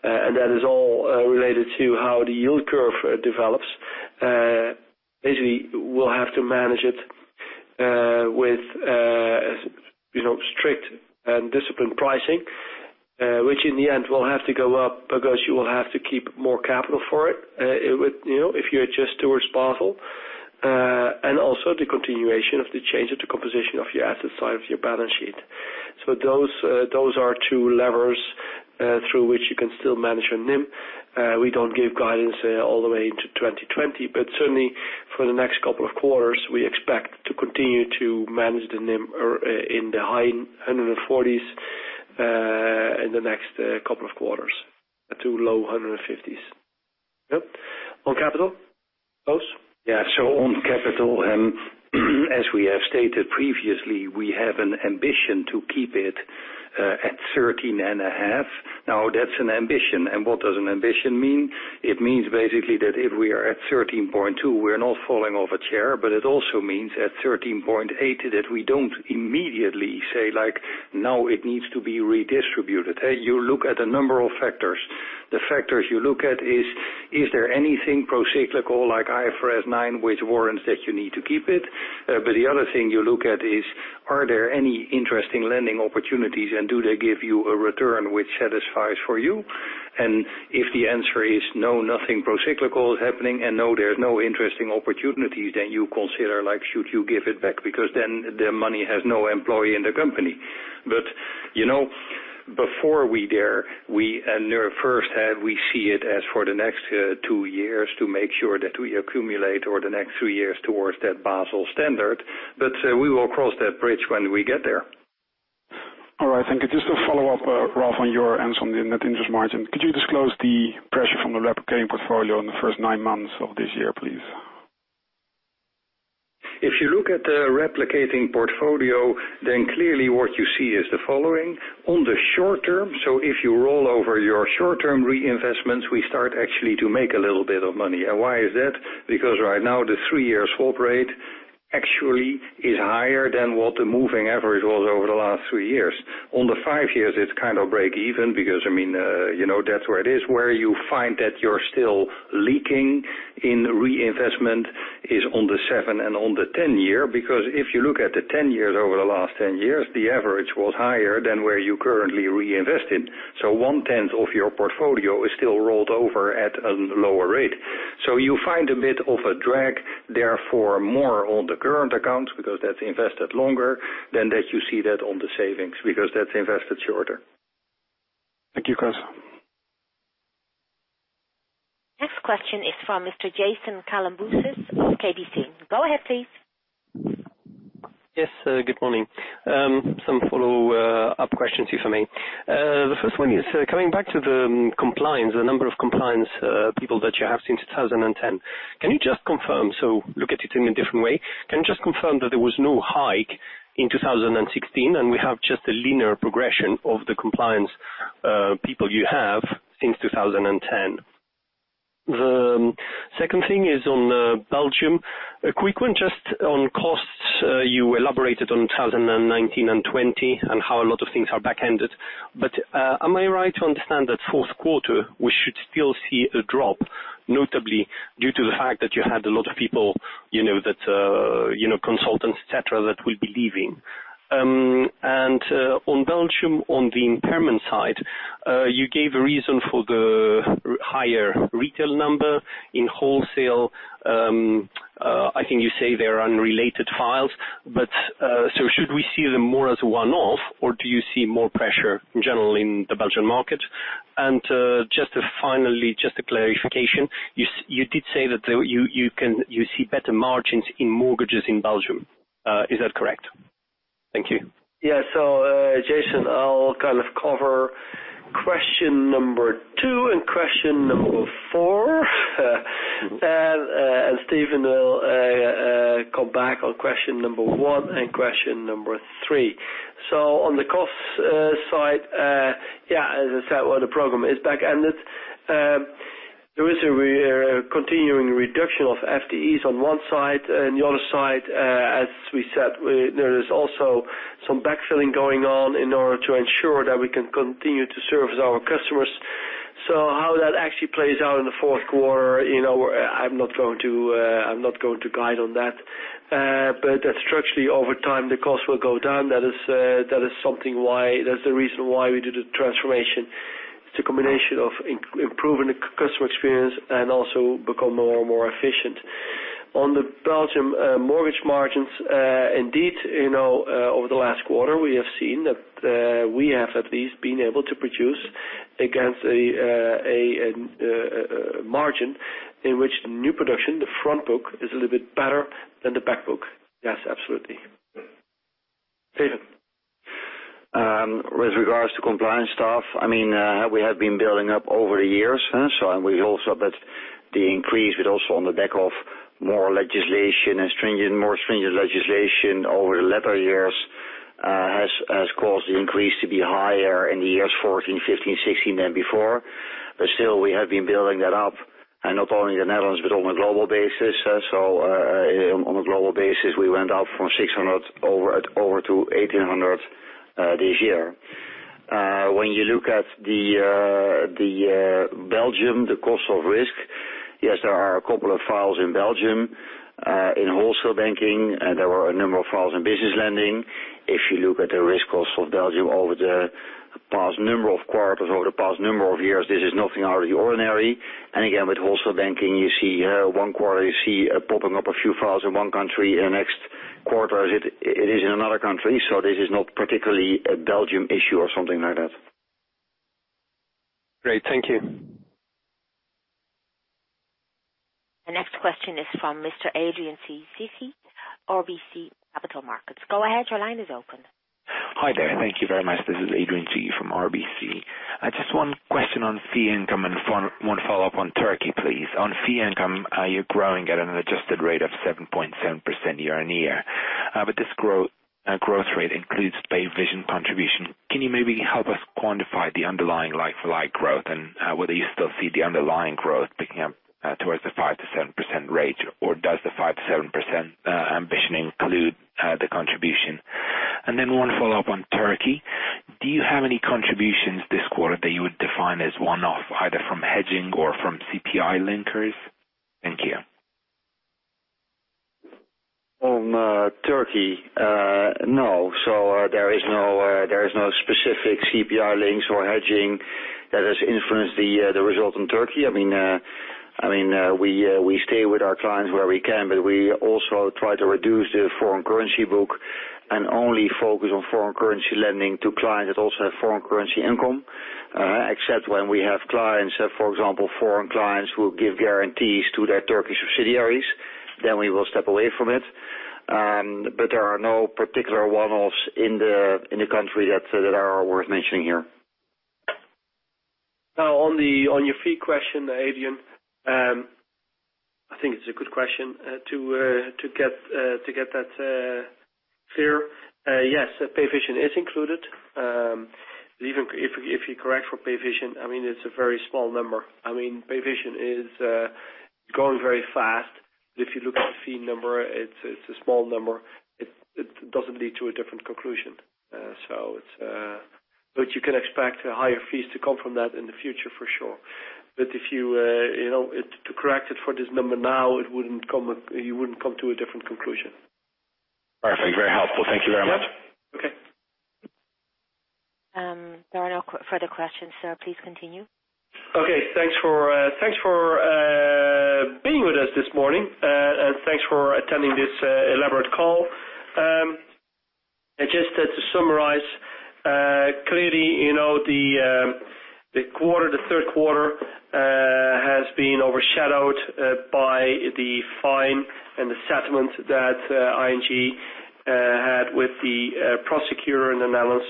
and that is all related to how the yield curve develops. Basically, we'll have to manage it with strict and disciplined pricing, which in the end will have to go up because you will have to keep more capital for it, if you adjust towards Basel, and also the continuation of the change of the composition of your asset side of your balance sheet. Those are two levers through which you can still manage your NIM. We don't give guidance all the way to 2020, but certainly for the next couple of quarters, we expect to continue to manage the NIM in the high 140s in the next couple of quarters to low 150s. Yep. On capital, Koos? Yeah. On capital, as we have stated previously, we have an ambition to keep it at 13.5. That's an ambition, what does an ambition mean? It means basically that if we are at 13.2, we're not falling off a chair, but it also means at 13.8 that we don't immediately say, like, "Now it needs to be redistributed." You look at a number of factors. The factors you look at is there anything pro-cyclical like IFRS 9, which warrants that you need to keep it? The other thing you look at is, are there any interesting lending opportunities, and do they give you a return which satisfies for you? If the answer is no, nothing pro-cyclical is happening, and no, there's no interesting opportunities, you consider should you give it back because then the money has no employee in the company. Before we dare, we at [inaudible] first have we see it as for the next two years to make sure that we accumulate over the next three years towards that Basel standard, we will cross that bridge when we get there. All right, thank you. Just to follow up, Ralph, on your end on the net interest margin, could you disclose the pressure from the replicating portfolio in the first nine months of this year, please? Clearly what you see is the following. On the short term, so if you roll over your short-term reinvestments, we start actually to make a little bit of money. Why is that? Right now, the three-year swap rate actually is higher than what the moving average was over the last three years. On the five years, it's break-even because that's where it is. Where you find that you're still leaking in reinvestment is on the seven and on the 10-year, because if you look at the 10 years over the last 10 years, the average was higher than where you currently reinvested. One tenth of your portfolio is still rolled over at a lower rate. You find a bit of a drag, therefore, more on the current account because that's invested longer than that you see that on the savings because that's invested shorter. Thank you, Koos. Next question is from Mr. Jason Kalamboussis of KBC. Go ahead, please. Yes, good morning. Some follow-up questions, if I may. The first one is, coming back to the compliance, the number of compliance people that you have since 2010. Look at it in a different way. Can you just confirm that there was no hike in 2016, and we have just a linear progression of the compliance people you have since 2010? The second thing is on Belgium. A quick one just on costs. You elaborated on 2019 and 2020 and how a lot of things are back-ended. Am I right to understand that fourth quarter, we should still see a drop, notably due to the fact that you had a lot of people, consultants, et cetera, that will be leaving? On Belgium, on the impairment side, you gave a reason for the higher retail number in wholesale. I think you say they are unrelated files. Should we see them more as one-off or do you see more pressure in general in the Belgian market? Finally, just a clarification. You did say that you see better margins in mortgages in Belgium. Is that correct? Thank you. Jason, I will cover question number two and question number four. Steven will come back on question number one and question number three. On the cost side, as I said, the program is back-ended. There is a continuing reduction of FTEs on one side, and the other side, as we said, there is also some backfilling going on in order to ensure that we can continue to service our customers. How that actually plays out in the fourth quarter, I am not going to guide on that. That structurally over time, the cost will go down. That is the reason why we did the transformation. It is a combination of improving the customer experience and also become more and more efficient. On the Belgium mortgage margins, indeed, over the last quarter, we have seen that we have at least been able to produce against a margin in which the new production, the front book, is a little bit better than the back book. Yes, absolutely. Steven. With regards to compliance staff, we have been building up over the years. We hope that the increase, also on the back of more legislation and more stringent legislation over the latter years, has caused the increase to be higher in the years 2014, 2015, 2016 than before. Still, we have been building that up, not only in the Netherlands but on a global basis. On a global basis, we went up from 600 to 1,800 this year. When you look at Belgium, the cost of risk. Yes, there are a couple of files in Belgium. In wholesale banking, there were a number of files in business lending. If you look at the risk cost of Belgium over the past number of quarters, over the past number of years, this is nothing out of the ordinary. Again, with wholesale banking, one quarter you see popping up a few files in one country. The next quarter, it is in another country. This is not particularly a Belgium issue or something like that. Great. Thank you. The next question is from Mr. Adrian Cighi, RBC Capital Markets. Go ahead, your line is open. Hi there. Thank you very much. This is Adrian cighi from RBC. Just one question on fee income and one follow-up on Turkey, please. On fee income, are you growing at an adjusted rate of 7.7% year-on-year? This growth rate includes Payvision contribution. Can you maybe help us quantify the underlying like-for-like growth and whether you still see the underlying growth picking up towards the 5%-7% range, or does the 5%-7% ambition include the contribution? One follow-up on Turkey. Do you have any contributions this quarter that you would define as one-off, either from hedging or from CPI linkers? Thank you. On Turkey, no. There is no specific CPI links or hedging that has influenced the result in Turkey. We stay with our clients where we can. We also try to reduce the foreign currency book and only focus on foreign currency lending to clients that also have foreign currency income. Except when we have clients, for example, foreign clients who give guarantees to their Turkish subsidiaries, we will step away from it. There are no particular one-offs in the country that are worth mentioning here. On your fee question, Adrian, I think it's a good question to get that clear. Yes, Payvision is included. If you correct for Payvision, it's a very small number. Payvision is growing very fast. If you look at the fee number, it's a small number. It doesn't lead to a different conclusion. You can expect higher fees to come from that in the future, for sure. To correct it for this number now, you wouldn't come to a different conclusion. Perfect. Very helpful. Thank you very much. Yeah. Okay. There are no further questions, sir. Please continue. Okay. Thanks for being with us this morning. Thanks for attending this elaborate call. Just to summarize, clearly, the third quarter has been overshadowed by the fine and the settlement that ING had with the prosecutor in the Netherlands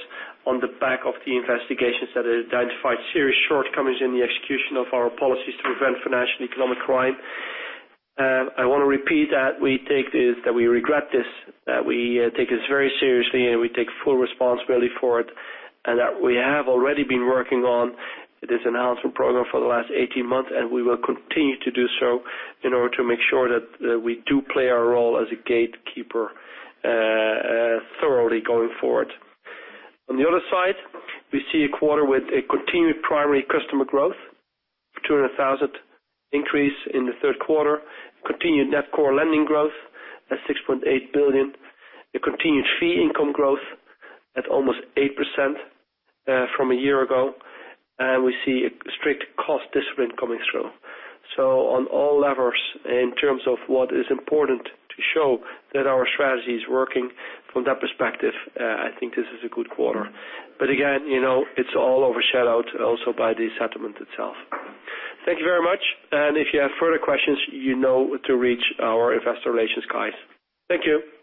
on the back of the investigations that identified serious shortcomings in the execution of our policies to prevent financial economic crime. I want to repeat that we regret this, that we take this very seriously, and we take full responsibility for it, and that we have already been working on this announcement program for the last 18 months, and we will continue to do so in order to make sure that we do play our role as a gatekeeper thoroughly going forward. On the other side, we see a quarter with a continued primary customer growth, 200,000 increase in the third quarter, continued net core lending growth at 6.8 billion, a continued fee income growth at almost 8% from a year ago, and we see a strict cost discipline coming through. On all levels, in terms of what is important to show that our strategy is working from that perspective, I think this is a good quarter. Again, it's all overshadowed also by the settlement itself. Thank you very much. If you have further questions, you know to reach our investor relations guys. Thank you.